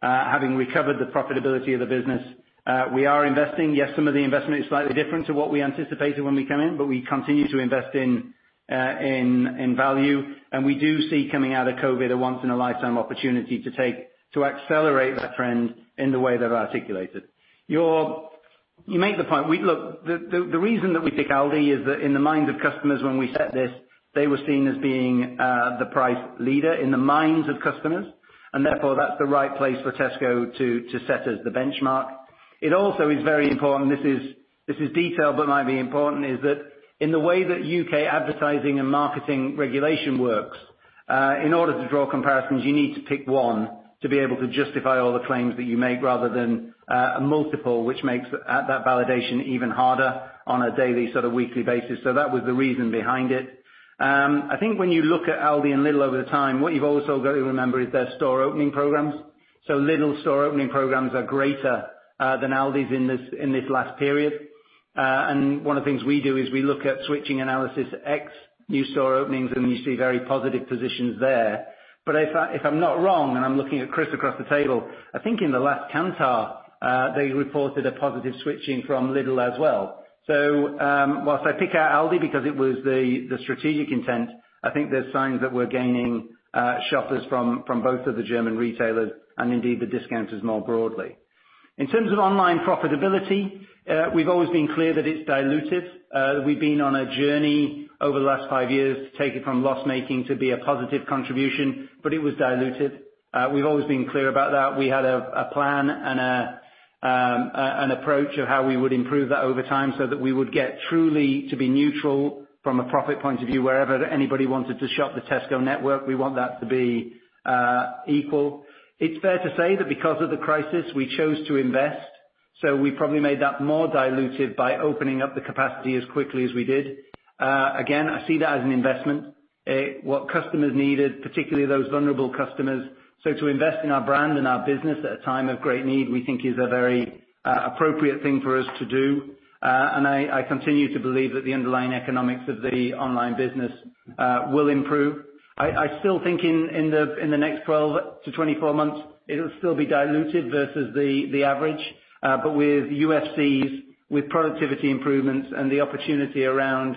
Having recovered the profitability of the business, we are investing. Yes, some of the investment is slightly different to what we anticipated when we came in, but we continue to invest in value. We do see coming out of COVID a once-in-a-lifetime opportunity to accelerate that trend in the way they've articulated. You make the point. Look, the reason that we pick ALDI is that in the minds of customers, when we set this, they were seen as being the price leader in the minds of customers. Therefore, that's the right place for Tesco to set as the benchmark. It also is very important—and this is detail but might be important—is that in the way that U.K. advertising and marketing regulation works, in order to draw comparisons, you need to pick one to be able to justify all the claims that you make rather than a multiple, which makes that validation even harder on a daily sort of weekly basis. That was the reason behind it. I think when you look at ALDI and Lidl over time, what you've also got to remember is their store opening programs. Lidl's store opening programs are greater than ALDI's in this last period. One of the things we do is we look at switching analysis X, new store openings, and you see very positive positions there. If I'm not wrong, and I'm looking at Chris across the table, I think in the last Kantar, they reported a positive switching from Lidl as well. Whilst I pick out ALDI because it was the strategic intent, I think there are signs that we're gaining shoppers from both of the German retailers and indeed the discounters more broadly. In terms of online profitability, we've always been clear that it's diluted. We've been on a journey over the last five years to take it from loss-making to be a positive contribution, but it was diluted. We've always been clear about that. We had a plan and an approach of how we would improve that over time so that we would get truly to be neutral from a profit point of view wherever anybody wanted to shop the Tesco network. We want that to be equal. It's fair to say that because of the crisis, we chose to invest. We probably made that more diluted by opening up the capacity as quickly as we did. Again, I see that as an investment. What customers needed, particularly those vulnerable customers. To invest in our brand and our business at a time of great need, we think is a very appropriate thing for us to do. I continue to believe that the underlying economics of the online business will improve. I still think in the next 12 to 24 months, it'll still be diluted versus the average. With UFCs, with productivity improvements, and the opportunity around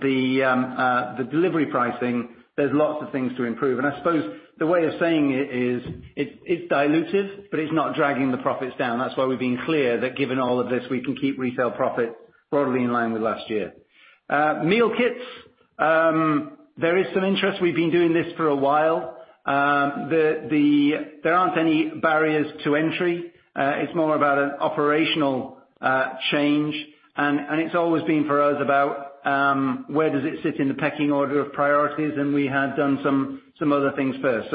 the delivery pricing, there's lots of things to improve. I suppose the way of saying it is it's diluted, but it's not dragging the profits down. That's why we've been clear that given all of this, we can keep retail profits broadly in line with last year. Meal kits, there is some interest. We've been doing this for a while. There aren't any barriers to entry. It's more about an operational change. It's always been for us about where does it sit in the pecking order of priorities. We had done some other things first.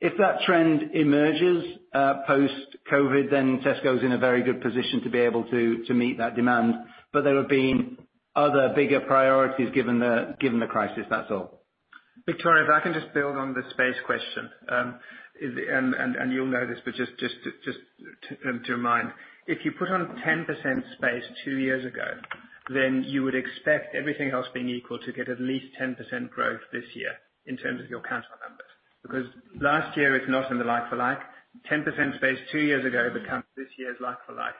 If that trend emerges post-COVID, then Tesco's in a very good position to be able to meet that demand. There have been other bigger priorities given the crisis. That's all. Victoria, if I can just build on the space question. You will know this, but just to remind, if you put on 10% space two years ago, then you would expect everything else being equal to get at least 10% growth this year in terms of your Kantar numbers. Because last year, it is not in the like-for-like. 10% space two years ago becomes this year's like-for-like.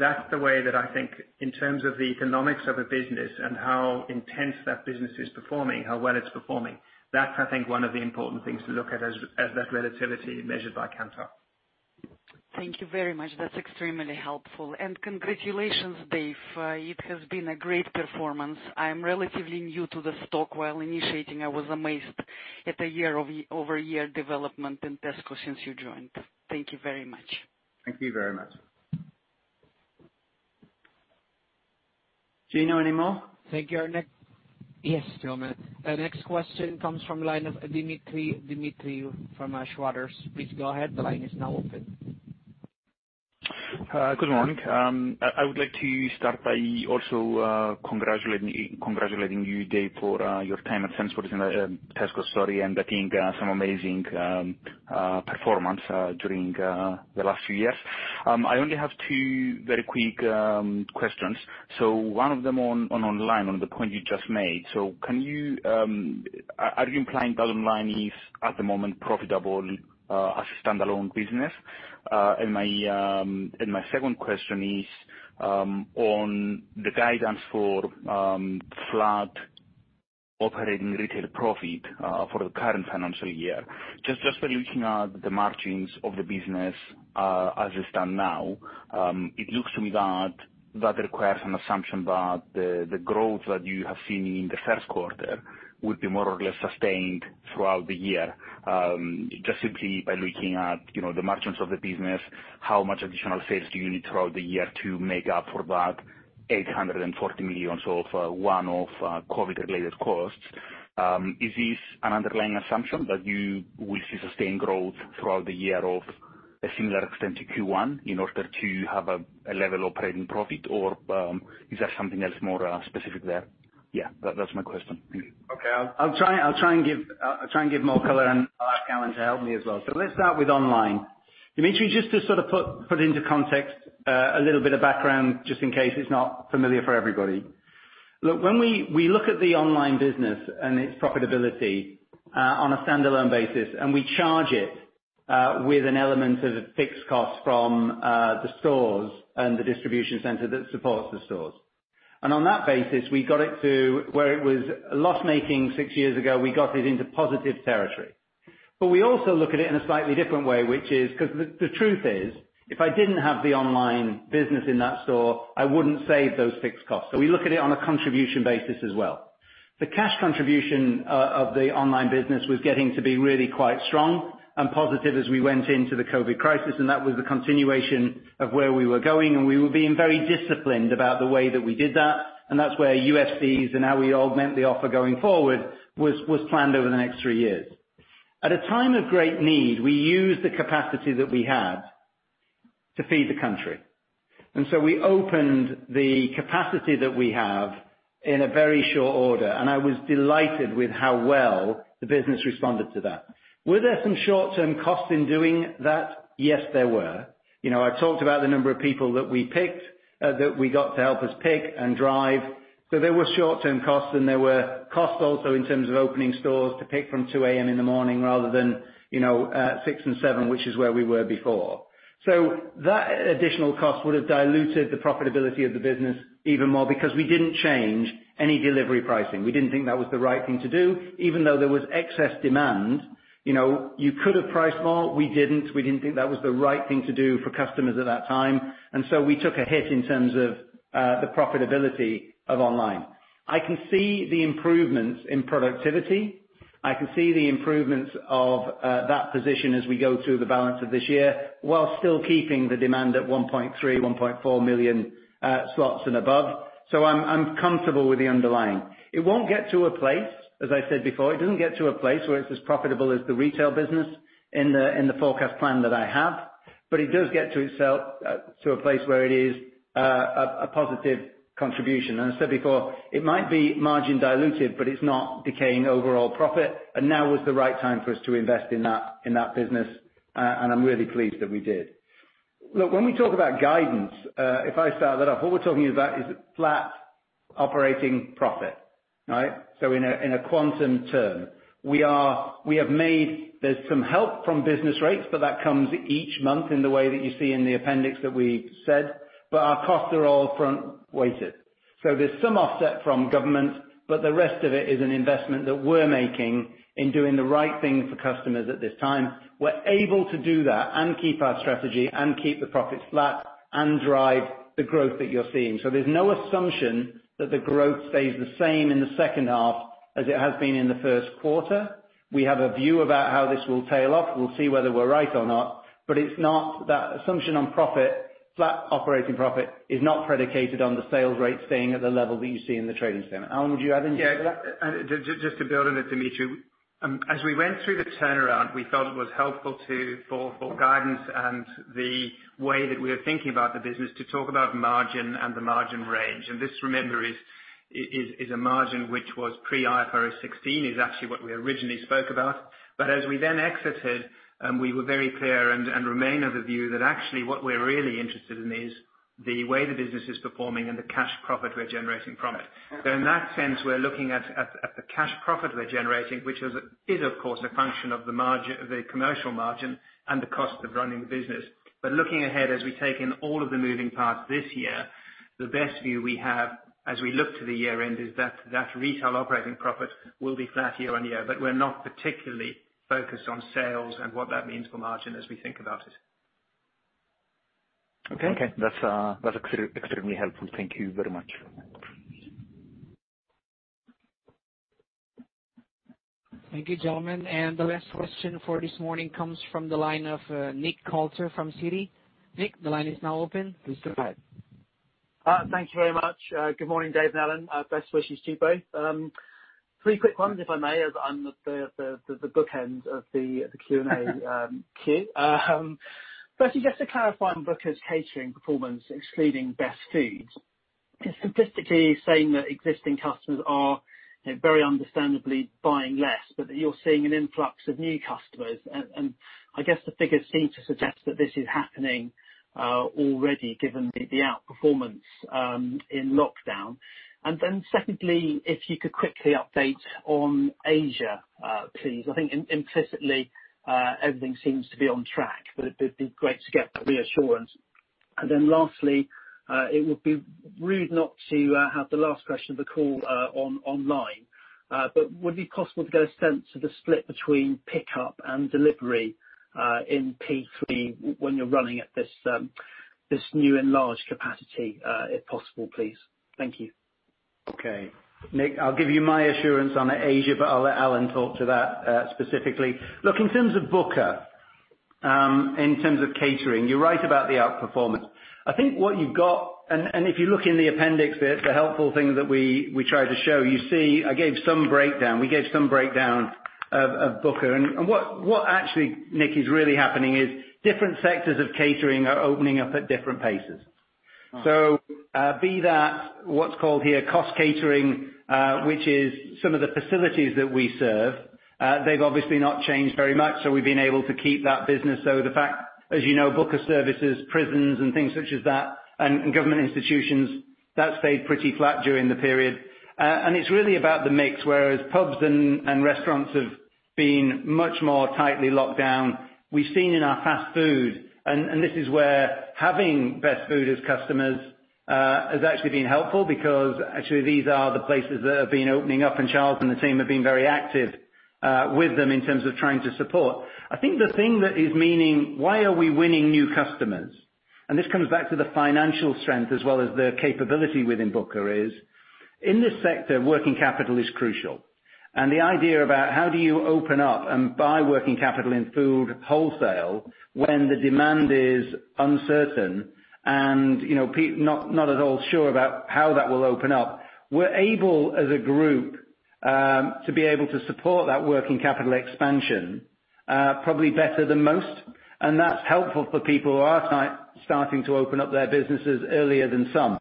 That is the way that I think in terms of the economics of a business and how intense that business is performing, how well it is performing. That is, I think, one of the important things to look at as that relativity measured by Kantar. Thank you very much. That is extremely helpful. Congratulations, Dave. It has been a great performance. I am relatively new to the stock. While initiating, I was amazed at the year-over-year development in Tesco since you joined. Thank you very much. Thank you very much. Do you know any more? Thank you. Yes, gentlemen. The next question comes from the line of Dimitri Dimitriou from Schroders. Please go ahead. The line is now open. Good morning. I would like to start by also congratulating you, Dave, for your time at Tesco Story. I think some amazing performance during the last few years. I only have two very quick questions. One of them online, on the point you just made. Are you implying that online is at the moment profitable as a standalone business? My second question is on the guidance for flat operating retail profit for the current financial year. Just by looking at the margins of the business as it stands now, it looks to me that that requires an assumption that the growth that you have seen in the first quarter would be more or less sustained throughout the year. Just simply by looking at the margins of the business, how much additional sales do you need throughout the year to make up for that 840 million of one-off COVID-related costs? Is this an underlying assumption that you will see sustained growth throughout the year of a similar extent to Q1 in order to have a level of operating profit? Or is there something else more specific there? Yeah, that's my question. Okay. I'll try and give more color and ask Alan to help me as well. Let's start with online. Dimitri, just to sort of put into context a little bit of background just in case it's not familiar for everybody. Look, when we look at the online business and its profitability on a standalone basis, and we charge it with an element of fixed costs from the stores and the distribution center that supports the stores. On that basis, we got it to where it was loss-making six years ago, we got it into positive territory. We also look at it in a slightly different way, which is because the truth is, if I didn't have the online business in that store, I wouldn't save those fixed costs. We look at it on a contribution basis as well. The cash contribution of the online business was getting to be really quite strong and positive as we went into the COVID crisis. That was the continuation of where we were going. We were being very disciplined about the way that we did that. That is where UFCs and how we augment the offer going forward was planned over the next three years. At a time of great need, we used the capacity that we had to feed the country. We opened the capacity that we have in a very short order. I was delighted with how well the business responded to that. Were there some short-term costs in doing that? Yes, there were. I have talked about the number of people that we picked that we got to help us pick and drive. There were short-term costs, and there were costs also in terms of opening stores to pick from 2:00 A.M. in the morning rather than 6:00 and 7:00, which is where we were before. That additional cost would have diluted the profitability of the business even more because we did not change any delivery pricing. We did not think that was the right thing to do, even though there was excess demand. You could have priced more. We did not. We did not think that was the right thing to do for customers at that time. We took a hit in terms of the profitability of online. I can see the improvements in productivity. I can see the improvements of that position as we go through the balance of this year while still keeping the demand at 1.3 million-1.4 million slots and above. I am comfortable with the underlying. It won't get to a place, as I said before. It doesn't get to a place where it's as profitable as the retail business in the forecast plan that I have. It does get to a place where it is a positive contribution. As I said before, it might be margin diluted, but it's not decaying overall profit. Now was the right time for us to invest in that business. I'm really pleased that we did. Look, when we talk about guidance, if I start that off, what we're talking about is flat operating profit, right? In a quantum term, we have made there's some help from business rates, but that comes each month in the way that you see in the appendix that we said. Our costs are all front-weighted. There is some offset from government, but the rest of it is an investment that we are making in doing the right thing for customers at this time. We are able to do that and keep our strategy and keep the profits flat and drive the growth that you are seeing. There is no assumption that the growth stays the same in the second half as it has been in the first quarter. We have a view about how this will tail off. We will see whether we are right or not. That assumption on profit, flat operating profit, is not predicated on the sales rate staying at the level that you see in the trading statement. Alan, would you add anything to that? Yeah. Just to build on it, Dimitri, as we went through the turnaround, we felt it was helpful for guidance and the way that we were thinking about the business to talk about margin and the margin range. This, remember, is a margin which was pre-IFRS 16, is actually what we originally spoke about. As we then exited, we were very clear and remain of the view that actually what we're really interested in is the way the business is performing and the cash profit we're generating from it. In that sense, we're looking at the cash profit we're generating, which is, of course, a function of the commercial margin and the cost of running the business. Looking ahead as we take in all of the moving parts this year, the best view we have as we look to the year-end is that that retail operating profit will be flat year-on-year. We are not particularly focused on sales and what that means for margin as we think about it. Okay? Okay. That's extremely helpful. Thank you very much. Thank you, gentlemen. The last question for this morning comes from the line of Nick Coulter from Citi. Nick, the line is now open. Please go ahead. Thank you very much. Good morning, Dave and Alan. Best wishes to you both. Three quick ones, if I may, as I'm at the bookend of the Q&A queue. Firstly, just to clarify on Booker's catering performance, excluding Best Food, it's simplistically saying that existing customers are very understandably buying less, but that you're seeing an influx of new customers. I guess the figures seem to suggest that this is happening already given the outperformance in lockdown. Secondly, if you could quickly update on Asia, please. I think implicitly everything seems to be on track, but it'd be great to get that reassurance. Lastly, it would be rude not to have the last question of the call online. Would it be possible to get a sense of the split between pickup and delivery in P3 when you're running at this new enlarged capacity, if possible, please? Thank you. Okay. Nick, I'll give you my assurance on Asia, but I'll let Alan talk to that specifically. Look, in terms of Booker, in terms of catering, you're right about the outperformance. I think what you've got and if you look in the appendix, the helpful thing that we try to show, you see I gave some breakdown. We gave some breakdown of Booker. What actually, Nick, is really happening is different sectors of catering are opening up at different paces. Be that what's called here cost catering, which is some of the facilities that we serve, they've obviously not changed very much. We've been able to keep that business. The fact, as you know, Booker services, prisons and things such as that, and government institutions, that stayed pretty flat during the period. It's really about the mix. Whereas pubs and restaurants have been much more tightly locked down, we've seen in our fast food, and this is where having Best Food as customers has actually been helpful because actually these are the places that have been opening up. Charles and the team have been very active with them in terms of trying to support. I think the thing that is meaning why are we winning new customers? This comes back to the financial strength as well as the capability within Booker. In this sector, working capital is crucial. The idea about how do you open up and buy working capital in food wholesale when the demand is uncertain and not at all sure about how that will open up, we're able as a group to be able to support that working capital expansion probably better than most. That is helpful for people who are starting to open up their businesses earlier than some.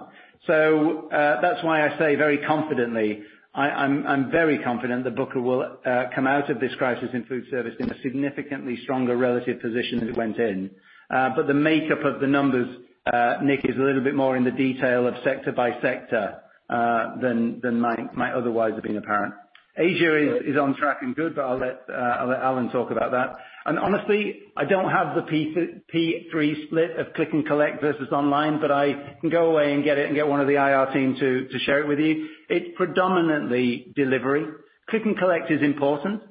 That is why I say very confidently, I am very confident that Booker will come out of this crisis in food service in a significantly stronger relative position than it went in. The makeup of the numbers, Nick, is a little bit more in the detail of sector by sector than might otherwise have been apparent. Asia is on track and good, but I will let Alan talk about that. Honestly, I do not have the P3 split of click and collect versus online, but I can go away and get it and get one of the IR team to share it with you. It is predominantly delivery. Click and collect is important.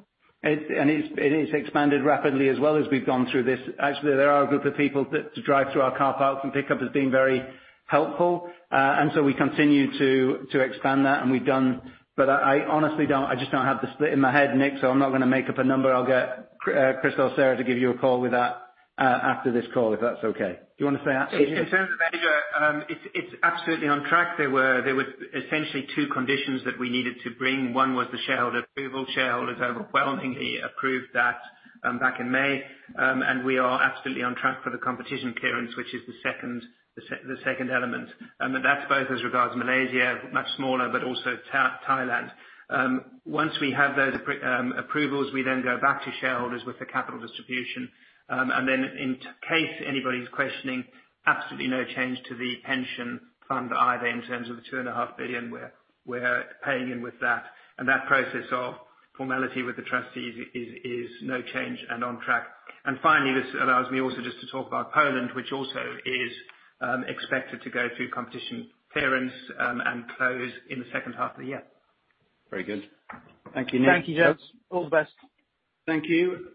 It has expanded rapidly as well as we have gone through this. Actually, there are a group of people to drive through our car parks and pickup has been very helpful. We continue to expand that. We have done. I honestly do not, I just do not have the split in my head, Nick, so I am not going to make up a number. I will get Chris or Sarah to give you a call with that after this call, if that is okay. Do you want to say that? In terms of Asia, it's absolutely on track. There were essentially two conditions that we needed to bring. One was the shareholder approval. Shareholders overwhelmingly approved that back in May. We are absolutely on track for the competition clearance, which is the second element. That is both as regards Malaysia, much smaller, but also Thailand. Once we have those approvals, we then go back to shareholders with the capital distribution. In case anybody's questioning, absolutely no change to the pension fund either in terms of the 2.5 billion we're paying in with that. That process of formality with the trustees is no change and on track. Finally, this allows me also just to talk about Poland, which also is expected to go through competition clearance and close in the second half of the year. Very good. Thank you, Nick. Thank you, Dave. All the best. Thank you.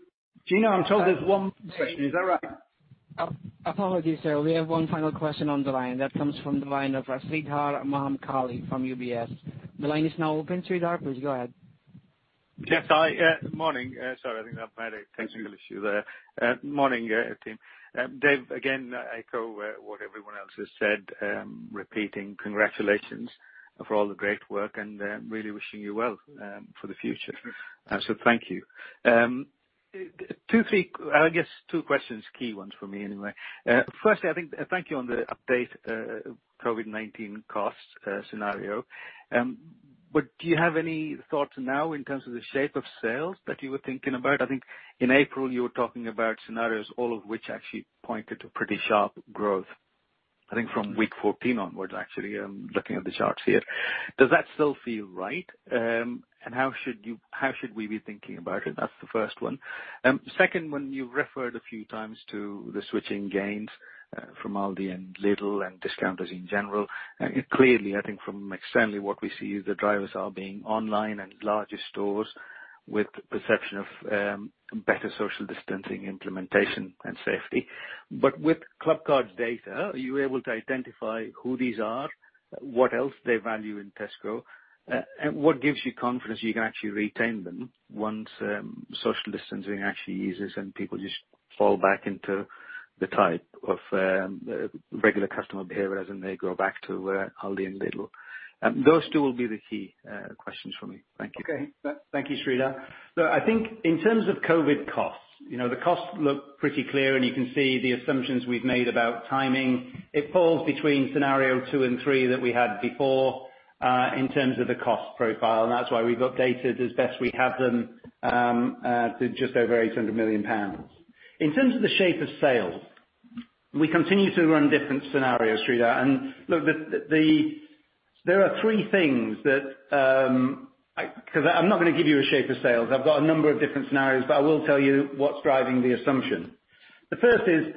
Gino, I'm told there's one question. Is that right? Apologies. We have one final question on the line. That comes from the line of Sreedhar Mahamkali from UBS. The line is now open. Sreedhar, please go ahead. Yes. Good morning. Sorry, I think I've had a technical issue there. Morning, team. Dave, again, echo what everyone else has said, repeating, congratulations for all the great work and really wishing you well for the future. Thank you. I guess two questions, key ones for me anyway. Firstly, thank you on the update COVID-19 cost scenario. Do you have any thoughts now in terms of the shape of sales that you were thinking about? I think in April, you were talking about scenarios, all of which actually pointed to pretty sharp growth, I think from week 14 onwards, actually, looking at the charts here. Does that still feel right? How should we be thinking about it? That's the first one. Second, when you referred a few times to the switching gains from ALDI and Lidl and discounters in general, clearly, I think from externally, what we see is the drivers are being online and larger stores with the perception of better social distancing implementation and safety. With Clubcard's data, are you able to identify who these are, what else they value in Tesco, and what gives you confidence you can actually retain them once social distancing actually eases and people just fall back into the type of regular customer behavior as they go back to ALDI and Lidl? Those two will be the key questions for me. Thank you. Okay. Thank you, Sreedhar. I think in terms of COVID costs, the costs look pretty clear. You can see the assumptions we have made about timing. It falls between scenario two and three that we had before in terms of the cost profile. That is why we have updated as best we have them to just over 800 million pounds. In terms of the shape of sales, we continue to run different scenarios, Sreedhar. Look, there are three things that, because I am not going to give you a shape of sales, I have a number of different scenarios, but I will tell you what is driving the assumption. The first is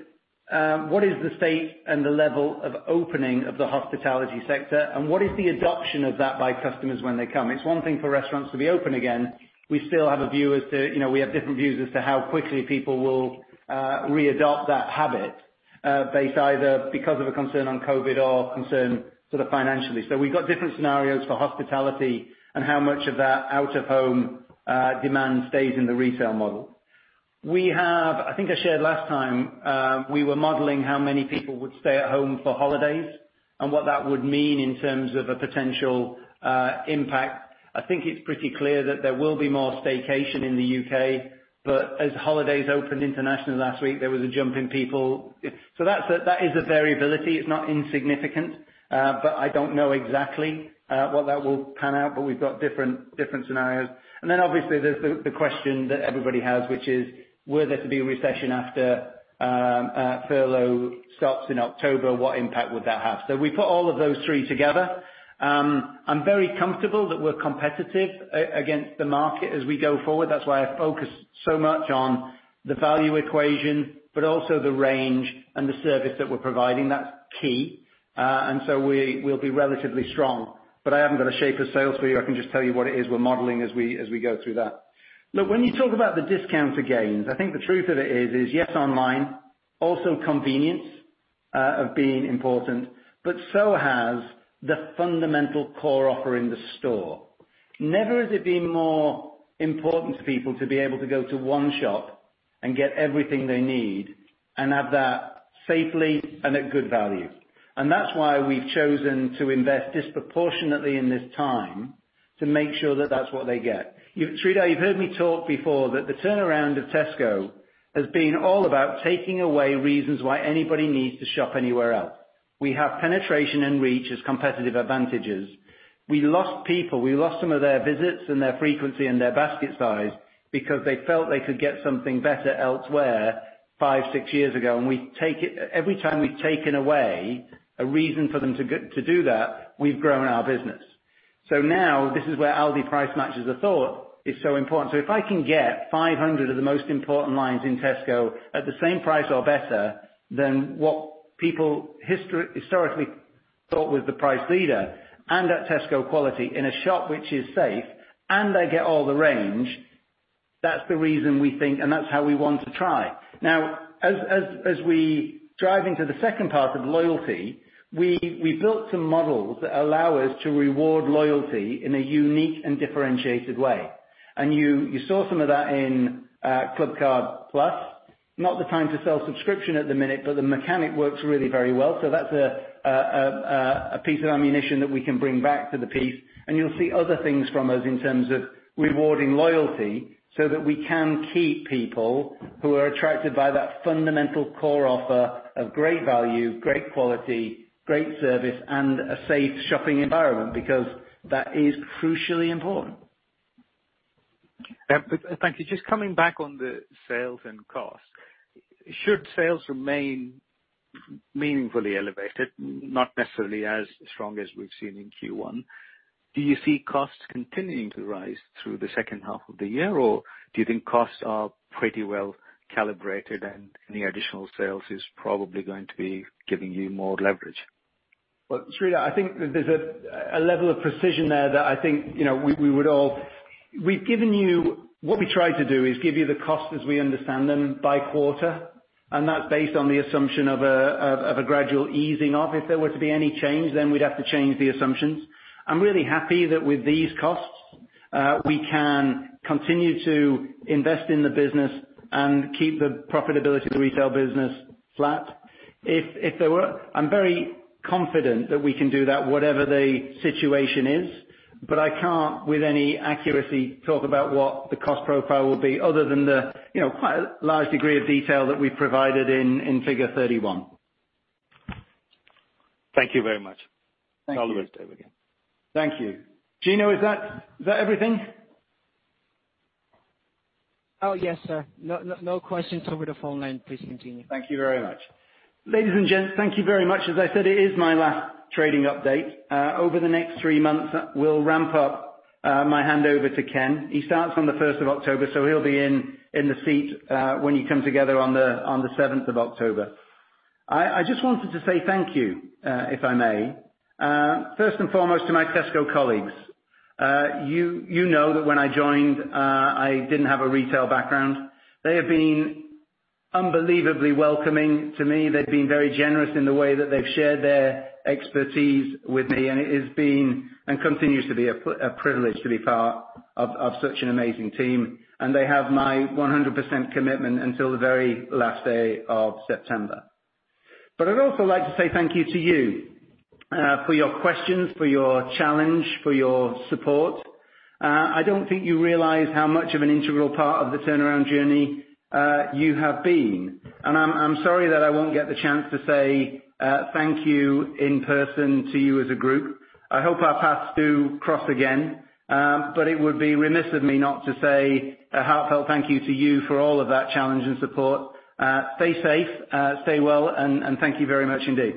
what is the state and the level of opening of the hospitality sector, and what is the adoption of that by customers when they come. It is one thing for restaurants to be open again. We still have a view as to we have different views as to how quickly people will readopt that habit based either because of a concern on COVID or concern sort of financially. We have different scenarios for hospitality and how much of that out-of-home demand stays in the retail model. I think I shared last time, we were modeling how many people would stay at home for holidays and what that would mean in terms of a potential impact. I think it is pretty clear that there will be more staycation in the U.K. As holidays opened internationally last week, there was a jump in people. That is a variability. It is not insignificant. I do not know exactly what that will pan out, but we have different scenarios. Obviously, there's the question that everybody has, which is, were there to be a recession after furlough stops in October, what impact would that have? We put all of those three together. I'm very comfortable that we're competitive against the market as we go forward. That's why I focus so much on the value equation, but also the range and the service that we're providing. That's key. We'll be relatively strong. I haven't got a shape of sales for you. I can just tell you what it is we're modeling as we go through that. Look, when you talk about the discounter gains, I think the truth of it is, yes, online, also convenience of being important, but so has the fundamental core offer in the store. Never has it been more important to people to be able to go to one shop and get everything they need and have that safely and at good value. That is why we have chosen to invest disproportionately in this time to make sure that is what they get. Sreedhar, you have heard me talk before that the turnaround of Tesco has been all about taking away reasons why anybody needs to shop anywhere else. We have penetration and reach as competitive advantages. We lost people. We lost some of their visits and their frequency and their basket size because they felt they could get something better elsewhere five, six years ago. Every time we have taken away a reason for them to do that, we have grown our business. Now this is where ALDI Price Match as a thought is so important. If I can get 500 of the most important lines in Tesco at the same price or better than what people historically thought was the price leader and at Tesco quality in a shop which is safe and I get all the range, that's the reason we think and that's how we want to try. Now, as we drive into the second part of loyalty, we built some models that allow us to reward loyalty in a unique and differentiated way. You saw some of that in Clubcard Plus. Not the time to sell subscription at the minute, but the mechanic works really very well. That's a piece of ammunition that we can bring back to the piece. You will see other things from us in terms of rewarding loyalty so that we can keep people who are attracted by that fundamental core offer of great value, great quality, great service, and a safe shopping environment because that is crucially important. Thank you. Just coming back on the sales and costs, should sales remain meaningfully elevated, not necessarily as strong as we've seen in Q1, do you see costs continuing to rise through the second half of the year, or do you think costs are pretty well calibrated and any additional sales is probably going to be giving you more leverage? Sreedhar, I think there's a level of precision there that I think we would all, we've given you what we try to do, is give you the costs as we understand them by quarter. That's based on the assumption of a gradual easing off. If there were to be any change, then we'd have to change the assumptions. I'm really happy that with these costs, we can continue to invest in the business and keep the profitability of the retail business flat. I'm very confident that we can do that, whatever the situation is. I can't, with any accuracy, talk about what the cost profile will be other than the quite large degree of detail that we've provided in Figure 31. Thank you very much. Thank you. All the best, Dave, again. Thank you. Gino, is that everything? Oh, yes, sir. No questions over the phone line. Please continue. Thank you very much. Ladies and gents, thank you very much. As I said, it is my last trading update. Over the next three months, we'll ramp up. My handover to Ken. He starts on the 1st of October, so he'll be in the seat when you come together on the 7th of October. I just wanted to say thank you, if I may. First and foremost, to my Tesco colleagues, you know that when I joined, I didn't have a retail background. They have been unbelievably welcoming to me. They've been very generous in the way that they've shared their expertise with me. It has been and continues to be a privilege to be part of such an amazing team. They have my 100% commitment until the very last day of September. I would also like to say thank you to you for your questions, for your challenge, for your support. I do not think you realize how much of an integral part of the turnaround journey you have been. I am sorry that I will not get the chance to say thank you in person to you as a group. I hope our paths do cross again, but it would be remiss of me not to say a heartfelt thank you to you for all of that challenge and support. Stay safe. Stay well. Thank you very much indeed.